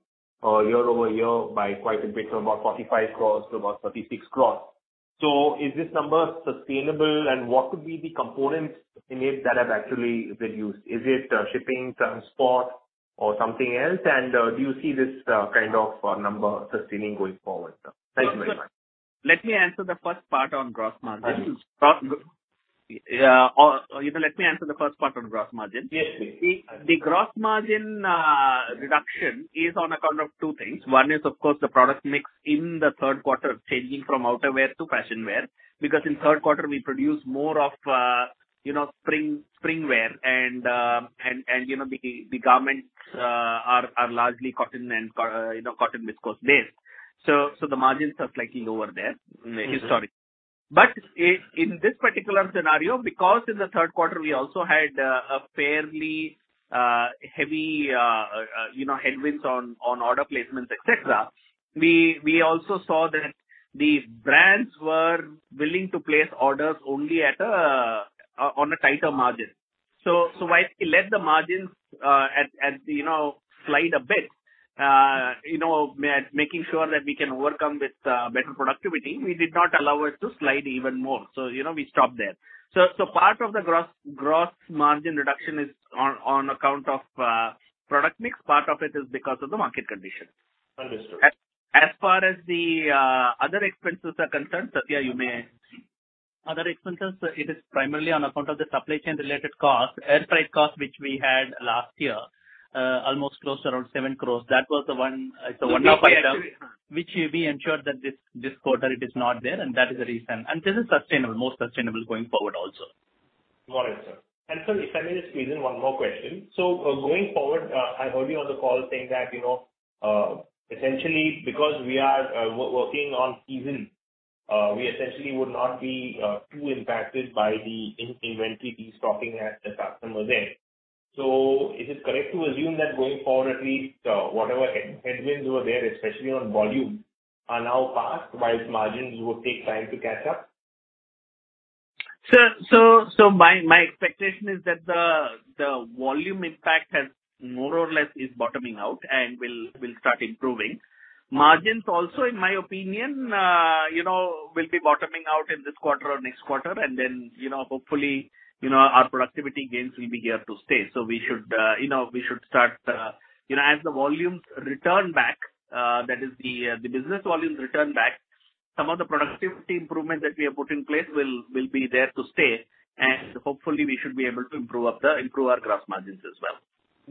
year-over-year by quite a bit, from about 45 crore to about 36 crore. So is this number sustainable, and what could be the components in it that have actually been used? Is it shipping, transport, or something else? And do you see this kind of number sustaining going forward, sir? Thank you very much. Let me answer the first part on gross margin. All right. You know, let me answer the first part on gross margin. Yes, yes. The gross margin reduction is on account of two things. One is, of course, the product mix in the third quarter, changing from outerwear to fashion wear, because in third quarter, we produce more of, you know, spring wear. And you know, the garments are largely cotton and you know cotton viscose based. So the margins are slightly lower there. Mm-hmm. Historically. But in this particular scenario, because in the third quarter we also had a fairly heavy you know headwinds on order placements, et cetera, we also saw that the brands were willing to place orders only at a on a tighter margin. So while we let the margins at you know slide a bit, you know making sure that we can overcome with better productivity, we did not allow it to slide even more, so you know we stopped there. So part of the gross margin reduction is on account of product mix, part of it is because of the market condition. Understood. As far as the other expenses are concerned, Sathya, you may... Other expenses, it is primarily on account of the supply chain-related costs, air freight costs, which we had last year, almost close to around 7 crore. That was the one, the one-off item- Okay. which we ensured that this quarter it is not there, and that is the reason. This is sustainable, more sustainable going forward also. Got it, sir. And sir, if I may squeeze in one more question. So, going forward, I heard you on the call saying that, you know, essentially, because we are working on season, we essentially would not be too impacted by the inventory destocking at the customer end. So is it correct to assume that going forward, at least, whatever headwinds were there, especially on volume, are now past, whilst margins will take time to catch up? Sir, so my expectation is that the volume impact has more or less is bottoming out and will start improving. Margins also, in my opinion, you know, will be bottoming out in this quarter or next quarter, and then, you know, hopefully, you know, our productivity gains will be here to stay. So we should, you know, we should start... You know, as the volumes return back, that is the business volumes return back, some of the productivity improvements that we have put in place will be there to stay, and hopefully, we should be able to improve our gross margins as well.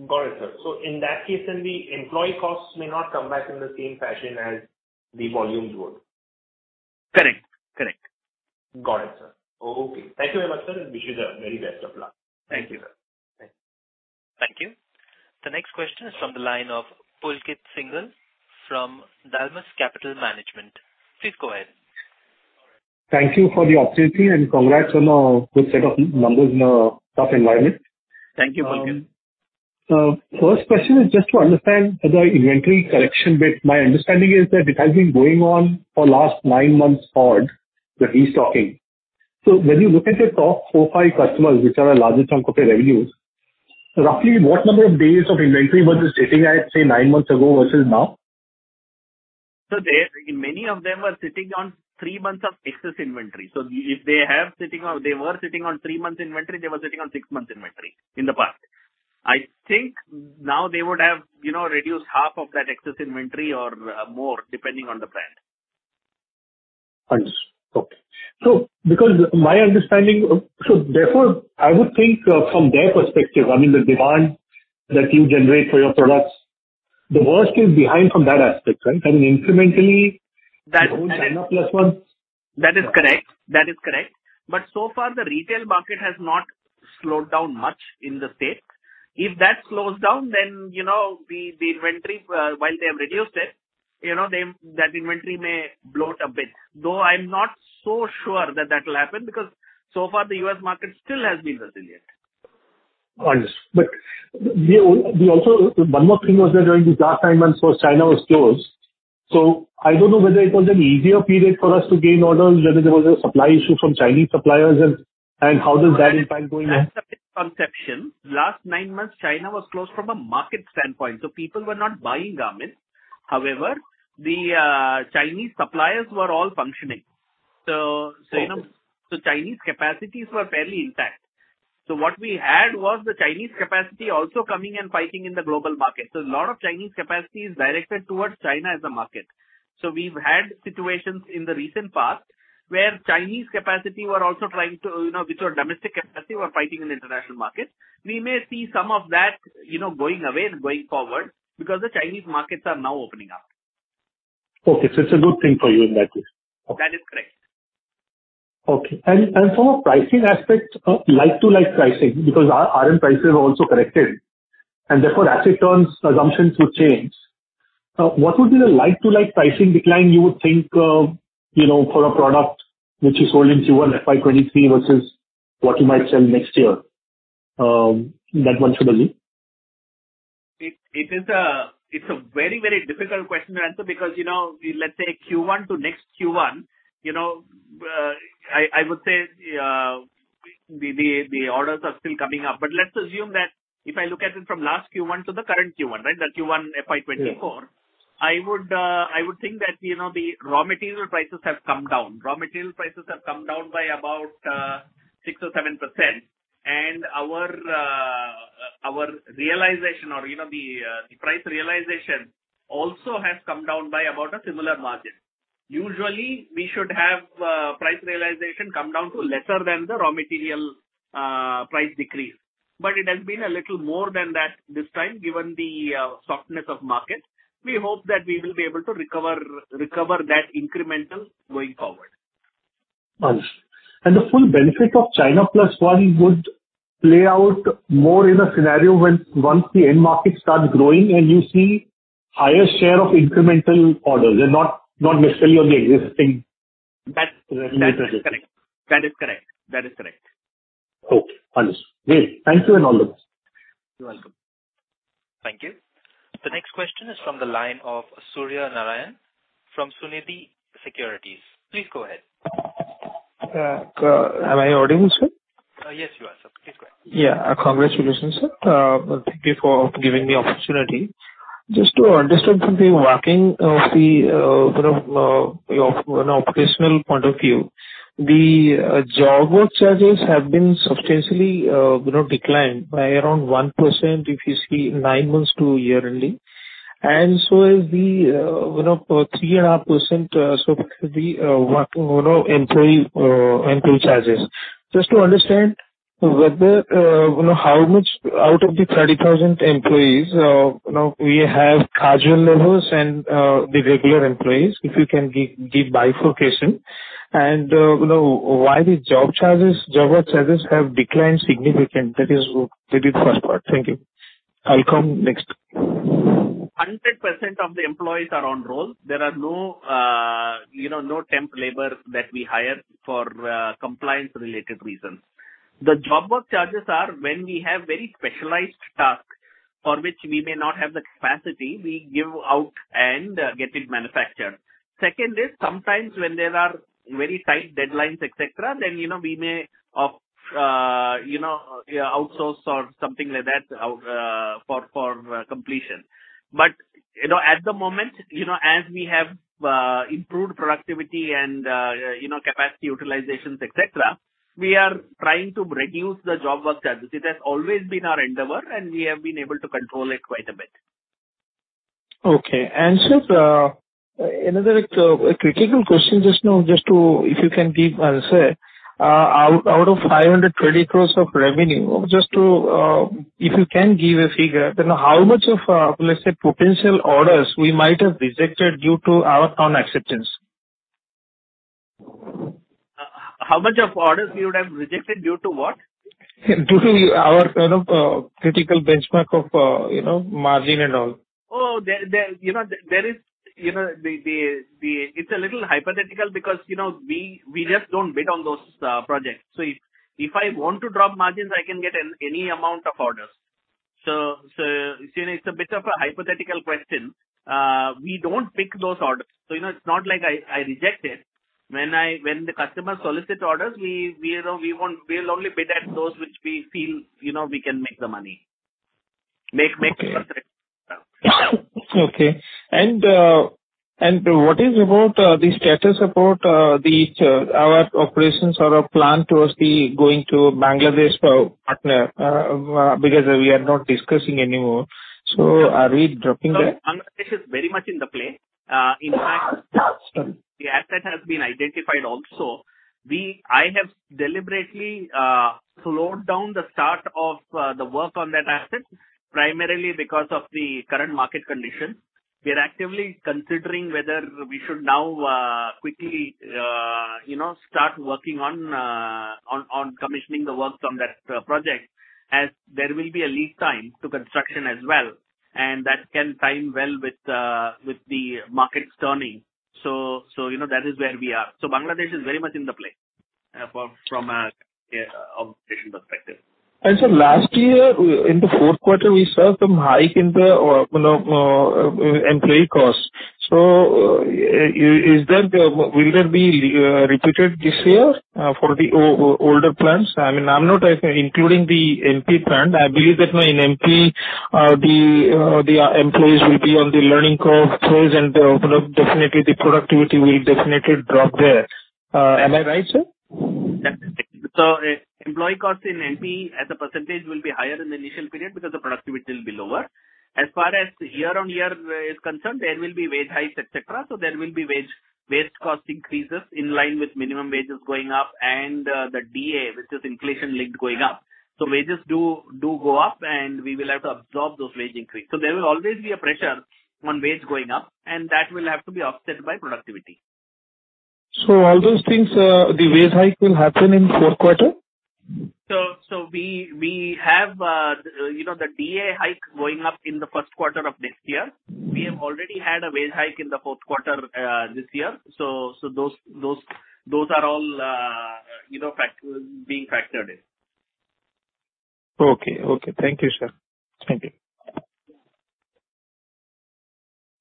Got it, sir. So in that case, then the employee costs may not come back in the same fashion as the volumes would? Correct. Correct. Got it, sir. Okay. Thank you very much, sir, and wish you the very best of luck. Thank you, sir. Thank you. Thank you. The next question is from the line of Pulkit Singhal from Dalmus Capital Management. Please go ahead. ...Thank you for the opportunity, and congrats on a good set of numbers in a tough environment. Thank you, Pulkit. First question is just to understand the inventory correction bit. My understanding is that it has been going on for last nine months odd, the restocking. So when you look at your top four, five customers, which are the largest chunk of your revenues, roughly what number of days of inventory were they sitting at, say, nine months ago versus now? So they, many of them are sitting on three months of excess inventory. So if they have sitting on—they were sitting on three months inventory, they were sitting on three months inventory in the past. I think now they would have, you know, reduced half of that excess inventory or, more, depending on the brand. Understood. Okay. So because of my understanding, so therefore, I would think, from their perspective, I mean, the demand that you generate for your products, the worst is behind from that aspect, right? I mean, incrementally- That- China Plus-One. That is correct. That is correct. But so far, the retail market has not slowed down much in the U.S. If that slows down, then, you know, the inventory, while they have reduced it, you know, they that inventory may bloat a bit. Though I'm not so sure that that will happen because so far the U.S. market still has been resilient. I understand. But we also. One more thing was that during the last nine months, so China was closed. So I don't know whether it was an easier period for us to gain orders, whether there was a supply issue from Chinese suppliers, and how does that impact going ahead? That's a misconception. Last nine months, China was closed from a market standpoint, so people were not buying garments. However, the Chinese suppliers were all functioning. So, you know- Okay. So Chinese capacities were fairly intact. So what we had was the Chinese capacity also coming and fighting in the global market. So a lot of Chinese capacity is directed towards China as a market. So we've had situations in the recent past where Chinese capacity were also trying to, you know, which were domestic capacity, were fighting in the international market. We may see some of that, you know, going away going forward because the Chinese markets are now opening up. Okay, so it's a good thing for you in that case. That is correct. Okay. And, and from a pricing aspect, like-to-like pricing, because our RM prices have also corrected, and therefore, asset turns assumptions would change. What would be the like-to-like pricing decline you would think, you know, for a product which you sold in Q1 FY 2023 versus what you might sell next year, that one should believe? It is a very, very difficult question to answer because, you know, let's say Q1 to next Q1, you know, I would say the orders are still coming up. But let's assume that if I look at it from last Q1 to the current Q1, right, the Q1 FY 2024- Yeah. I would, I would think that, you know, the raw material prices have come down. Raw material prices have come down by about 6%-7%, and our, our realization or, you know, the, the price realization also has come down by about a similar margin. Usually, we should have price realization come down to lesser than the raw material price decrease, but it has been a little more than that this time, given the softness of market. We hope that we will be able to recover, recover that incremental going forward. Understood. The full benefit of China Plus-One would play out more in a scenario when once the end market starts growing and you see higher share of incremental orders and not necessarily on the existing- That is correct. - business. That is correct. That is correct. Okay, understood. Great. Thank you and all the best. You're welcome. Thank you. The next question is from the line of Surya Narayan from Sunidhi Securities. Please go ahead. Am I audible, sir? Yes, you are, sir. Please go ahead. Yeah. Congratulations, sir. Thank you for giving the opportunity. Just to understand from the working of the, you know, your, you know, operational point of view, the job work charges have been substantially, you know, declined by around 1%, if you see nine months to year-ending. And so is the three and a half percent, so the employee charges. Just to understand whether, you know, how much out of the 30,000 employees, you know, we have casual laborers and the regular employees, if you can give by bifurcation. And, you know, why the job charges, job work charges have declined significantly? That is really the first part. Thank you. I'll come next. 100% of the employees are on roll. There are no, you know, no temp labor that we hire for, compliance-related reasons. The job work charges are when we have very specialized tasks for which we may not have the capacity, we give out and get it manufactured. Second is, sometimes when there are very tight deadlines, et cetera, then, you know, we may outsource or something like that for completion. But, you know, at the moment, you know, as we have improved productivity and, you know, capacity utilizations, et cetera, we are trying to reduce the job work charges. It has always been our endeavor, and we have been able to control it quite a bit. Okay. Sir, another critical question, just now, just to... If you can give answer out of 500 crore of revenue, just to, if you can give a figure, then how much of, let's say, potential orders we might have rejected due to our unacceptance? How much of orders we would have rejected due to what?... due to our kind of, critical benchmark of, you know, margin and all? Oh, you know, there is, you know, it's a little hypothetical because, you know, we just don't bid on those projects. So if I want to drop margins, I can get any amount of orders. So you see, it's a bit of a hypothetical question. We don't pick those orders. So, you know, it's not like I reject it. When the customer solicits orders, we, you know, we'll only bid at those which we feel, you know, we can make the money. Make, make- Okay. Yeah. Okay. And, and what is about the status about our operations or our plan towards the going to Bangladesh partner? Because we are not discussing anymore. So are we dropping that? No, Bangladesh is very much in the play. In fact- Sorry. The asset has been identified also. We... I have deliberately slowed down the start of the work on that asset, primarily because of the current market conditions. We are actively considering whether we should now quickly you know start working on commissioning the works on that project, as there will be a lead time to construction as well, and that can time well with the markets turning. So you know that is where we are. So Bangladesh is very much in the play from a observation perspective. And so last year, in the fourth quarter, we saw some hike in the, you know, employee costs. So, is that, will that be repeated this year, for the older plants? I mean, I'm not including the MP plant. I believe that in MP, the, the employees will be on the learning curve phase, and, you know, definitely the productivity will definitely drop there. Am I right, sir? Yeah. So employee costs in MP as a percentage will be higher in the initial period because the productivity will be lower. As far as year-on-year is concerned, there will be wage hikes, et cetera. So there will be wage cost increases in line with minimum wages going up and the DA, which is inflation linked, going up. So wages do go up, and we will have to absorb those wage increases. So there will always be a pressure on wages going up, and that will have to be offset by productivity. So all those things, the wage hike will happen in fourth quarter? So we have, you know, the DA hike going up in the first quarter of next year. We have already had a wage hike in the fourth quarter, this year. So those are all, you know, factored in. Okay. Okay. Thank you, sir. Thank you.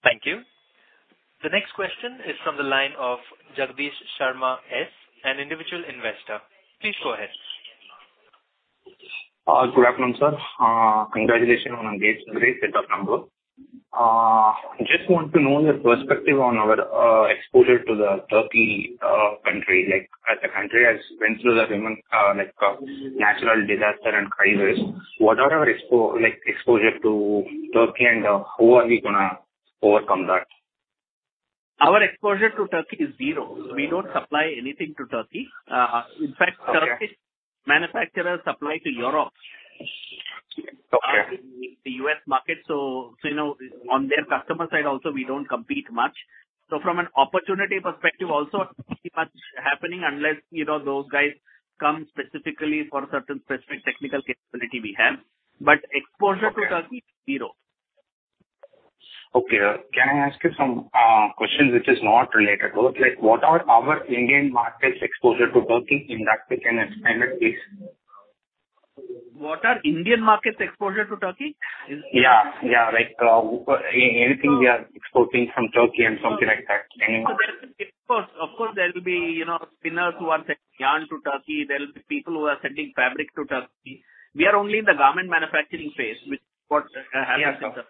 Thank you. The next question is from the line of Jagdish Sharma S, an Individual Investor. Please go ahead. Good afternoon, sir. Congratulations on encouraging set of numbers. Just want to know your perspective on our exposure to the Turkey country. Like, as the country has went through the natural disaster and crisis, what are our exposure to Turkey, and how are we gonna overcome that? Our exposure to Turkey is zero. We don't supply anything to Turkey. In fact- Okay. Turkish manufacturers supply to Europe. Okay. The U.S. market, so, you know, on their customer side also, we don't compete much. So from an opportunity perspective, also, pretty much happening unless, you know, those guys come specifically for a certain specific technical capability we have. Okay. Exposure to Turkey, zero. Okay. Can I ask you some questions which is not related to? Like, what are our Indian markets exposure to Turkey, if you can explain it, please? What are Indian markets exposure to Turkey? Yeah, yeah, like, anything we are exporting from Turkey and something like that. Of course, of course, there will be, you know, spinners who are selling yarn to Turkey. There will be people who are selling fabric to Turkey. We are only in the garment manufacturing phase, which what- Yeah.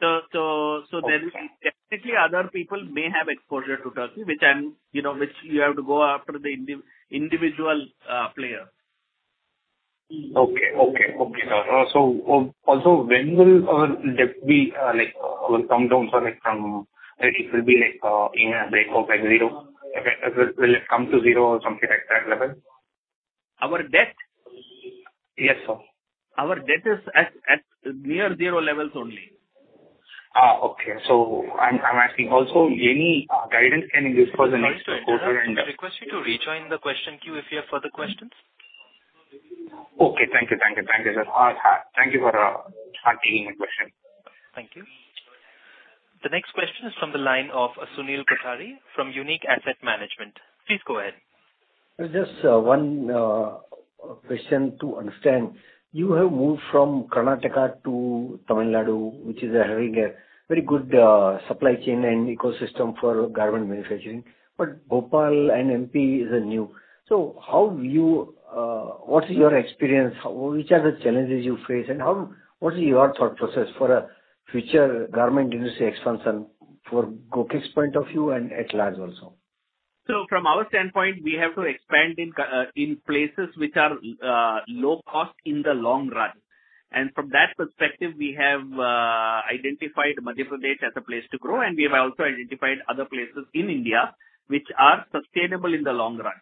So Okay. There definitely other people may have exposure to Turkey, which I'm, you know, which you have to go after the individual player. Okay, okay, okay. So also, when will our debt be like come down from like from... It will be like in a break of like zero? Okay, will it come to zero or something like that level? Our debt? Yes, sir. Our debt is at near zero levels only. Ah, okay. So I'm, I'm asking also, any guidance can you give for the next quarter and? I request you to rejoin the question queue if you have further questions. Okay. Thank you, thank you, thank you, sir. Thank you for taking my question. Thank you. The next question is from the line of Sunil Kothari from Unique Asset Management. Please go ahead. Just one question to understand. You have moved from Karnataka to Tamil Nadu, which is having a very good supply chain and ecosystem for garment manufacturing. But Bhopal and MP is new. So how you what is your experience? Which are the challenges you face, and how what is your thought process for a future garment industry expansion from Gokaldas's point of view and at large also? So from our standpoint, we have to expand in places which are low cost in the long run. From that perspective, we have identified Madhya Pradesh as a place to grow, and we have also identified other places in India which are sustainable in the long run.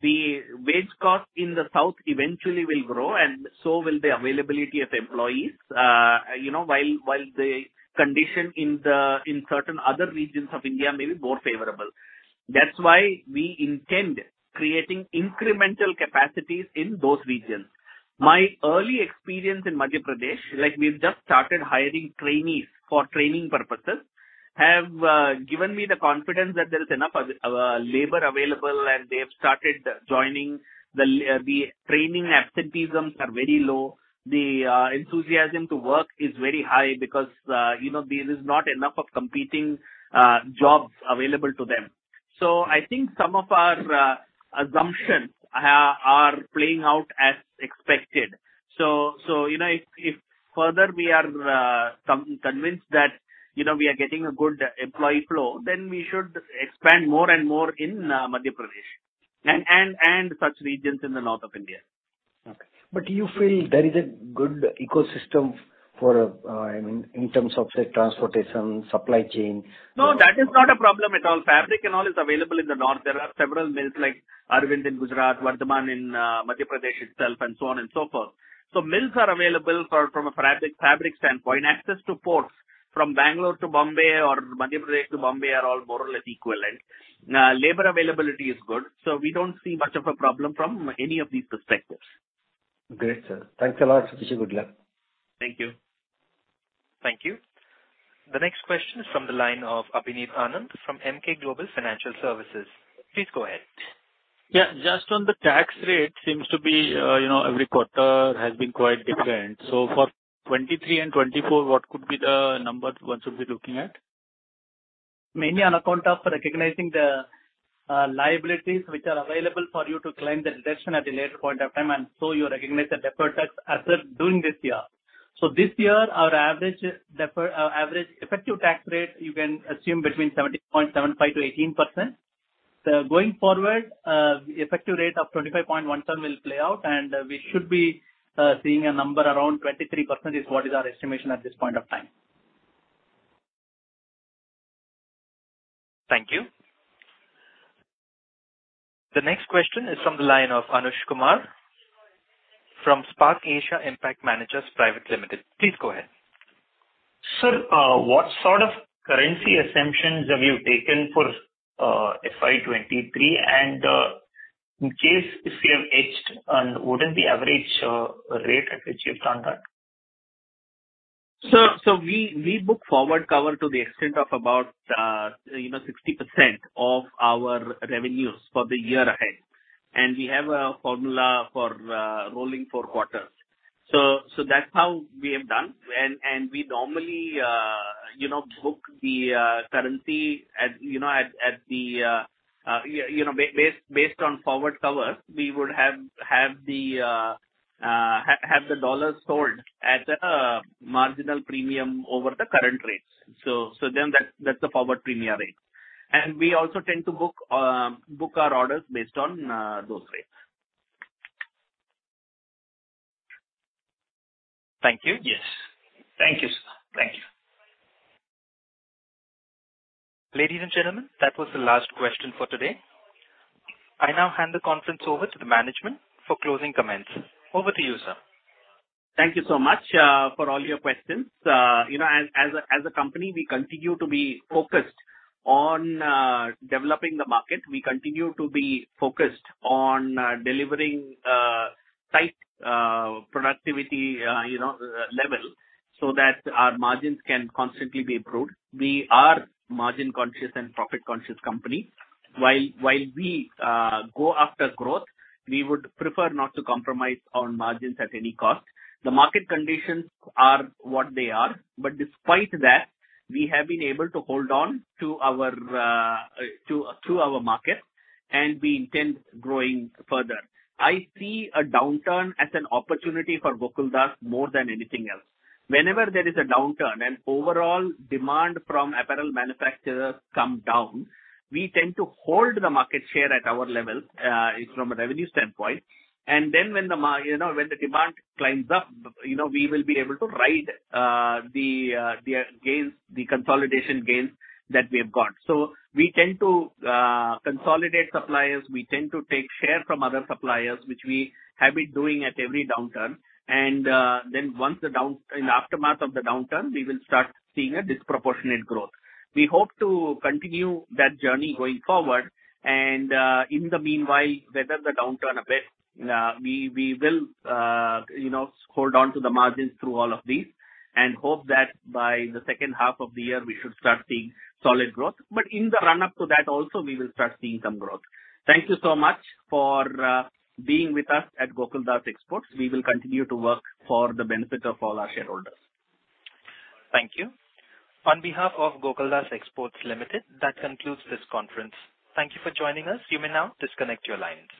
The wage cost in the south eventually will grow, and so will the availability of employees, you know, while the condition in the, in certain other regions of India may be more favorable. That's why we intend creating incremental capacities in those regions. My early experience in Madhya Pradesh, like we've just started hiring trainees for training purposes, have given me the confidence that there is enough of labor available, and they have started joining. The training absenteeisms are very low. The enthusiasm to work is very high because, you know, there is not enough of competing jobs available to them. So I think some of our assumptions are playing out as expected. So, you know, if further we are convinced that, you know, we are getting a good employee flow, then we should expand more and more in Madhya Pradesh and such regions in the north of India. Okay. But do you feel there is a good ecosystem for, I mean, in terms of say, transportation, supply chain? No, that is not a problem at all. Fabric and all is available in the north. There are several mills like Arvind in Gujarat, Vardhman in Madhya Pradesh itself, and so on and so forth. So mills are available for, from a fabric, fabric standpoint. Access to ports from Bangalore to Mumbai or Madhya Pradesh to Mumbai are all more or less equivalent. Labor availability is good, so we don't see much of a problem from any of these perspectives. Great, sir. Thanks a lot. Wish you good luck. Thank you. Thank you. The next question is from the line of Abhineet Anand from Emkay Global Financial Services. Please go ahead. Yeah, just on the tax rate, seems to be, you know, every quarter has been quite different. So for 2023 and 2024, what could be the numbers one should be looking at? Mainly on account of recognizing the liabilities which are available for you to claim the deduction at a later point of time, and so you recognize the deferred tax as of during this year. So this year, our average deferred effective tax rate, you can assume between 17.75%-18%. Going forward, effective rate of 25.17% will play out, and we should be seeing a number around 23% is what is our estimation at this point of time. Thank you. The next question is from the line of Anush Kumar from Spark Asia Impact Managers Private Limited. Please go ahead. Sir, what sort of currency assumptions have you taken for FY '23? And in case if you have hedged, what is the average rate at which you've done that? Sir, so we book forward cover to the extent of about, you know, 60% of our revenues for the year ahead, and we have a formula for rolling four quarters. So that's how we have done. And we normally, you know, book the currency at, you know, at the, based on forward cover, we would have the dollar sold at a marginal premium over the current rates. So then that's the forward premium rate. And we also tend to book our orders based on those rates. Thank you. Yes. Thank you, sir. Thank you. Ladies and gentlemen, that was the last question for today. I now hand the conference over to the management for closing comments. Over to you, sir. Thank you so much for all your questions. You know, as a company, we continue to be focused on developing the market. We continue to be focused on delivering tight productivity, you know, level, so that our margins can constantly be improved. We are margin-conscious and profit-conscious company. While we go after growth, we would prefer not to compromise on margins at any cost. The market conditions are what they are, but despite that, we have been able to hold on to our market, and we intend growing further. I see a downturn as an opportunity for Gokaldas more than anything else. Whenever there is a downturn and overall demand from apparel manufacturers come down, we tend to hold the market share at our level from a revenue standpoint. Then when you know, when the demand climbs up, you know, we will be able to ride the gains, the consolidation gains that we have got. So we tend to consolidate suppliers, we tend to take share from other suppliers, which we have been doing at every downturn. Then once in the aftermath of the downturn, we will start seeing a disproportionate growth. We hope to continue that journey going forward, and in the meanwhile, weather the downturn a bit, we will, you know, hold on to the margins through all of this and hope that by the second half of the year, we should start seeing solid growth. But in the run-up to that also, we will start seeing some growth. Thank you so much for being with us at Gokaldas Exports. We will continue to work for the benefit of all our shareholders. Thank you. On behalf of Gokaldas Exports Limited, that concludes this conference. Thank you for joining us. You may now disconnect your line.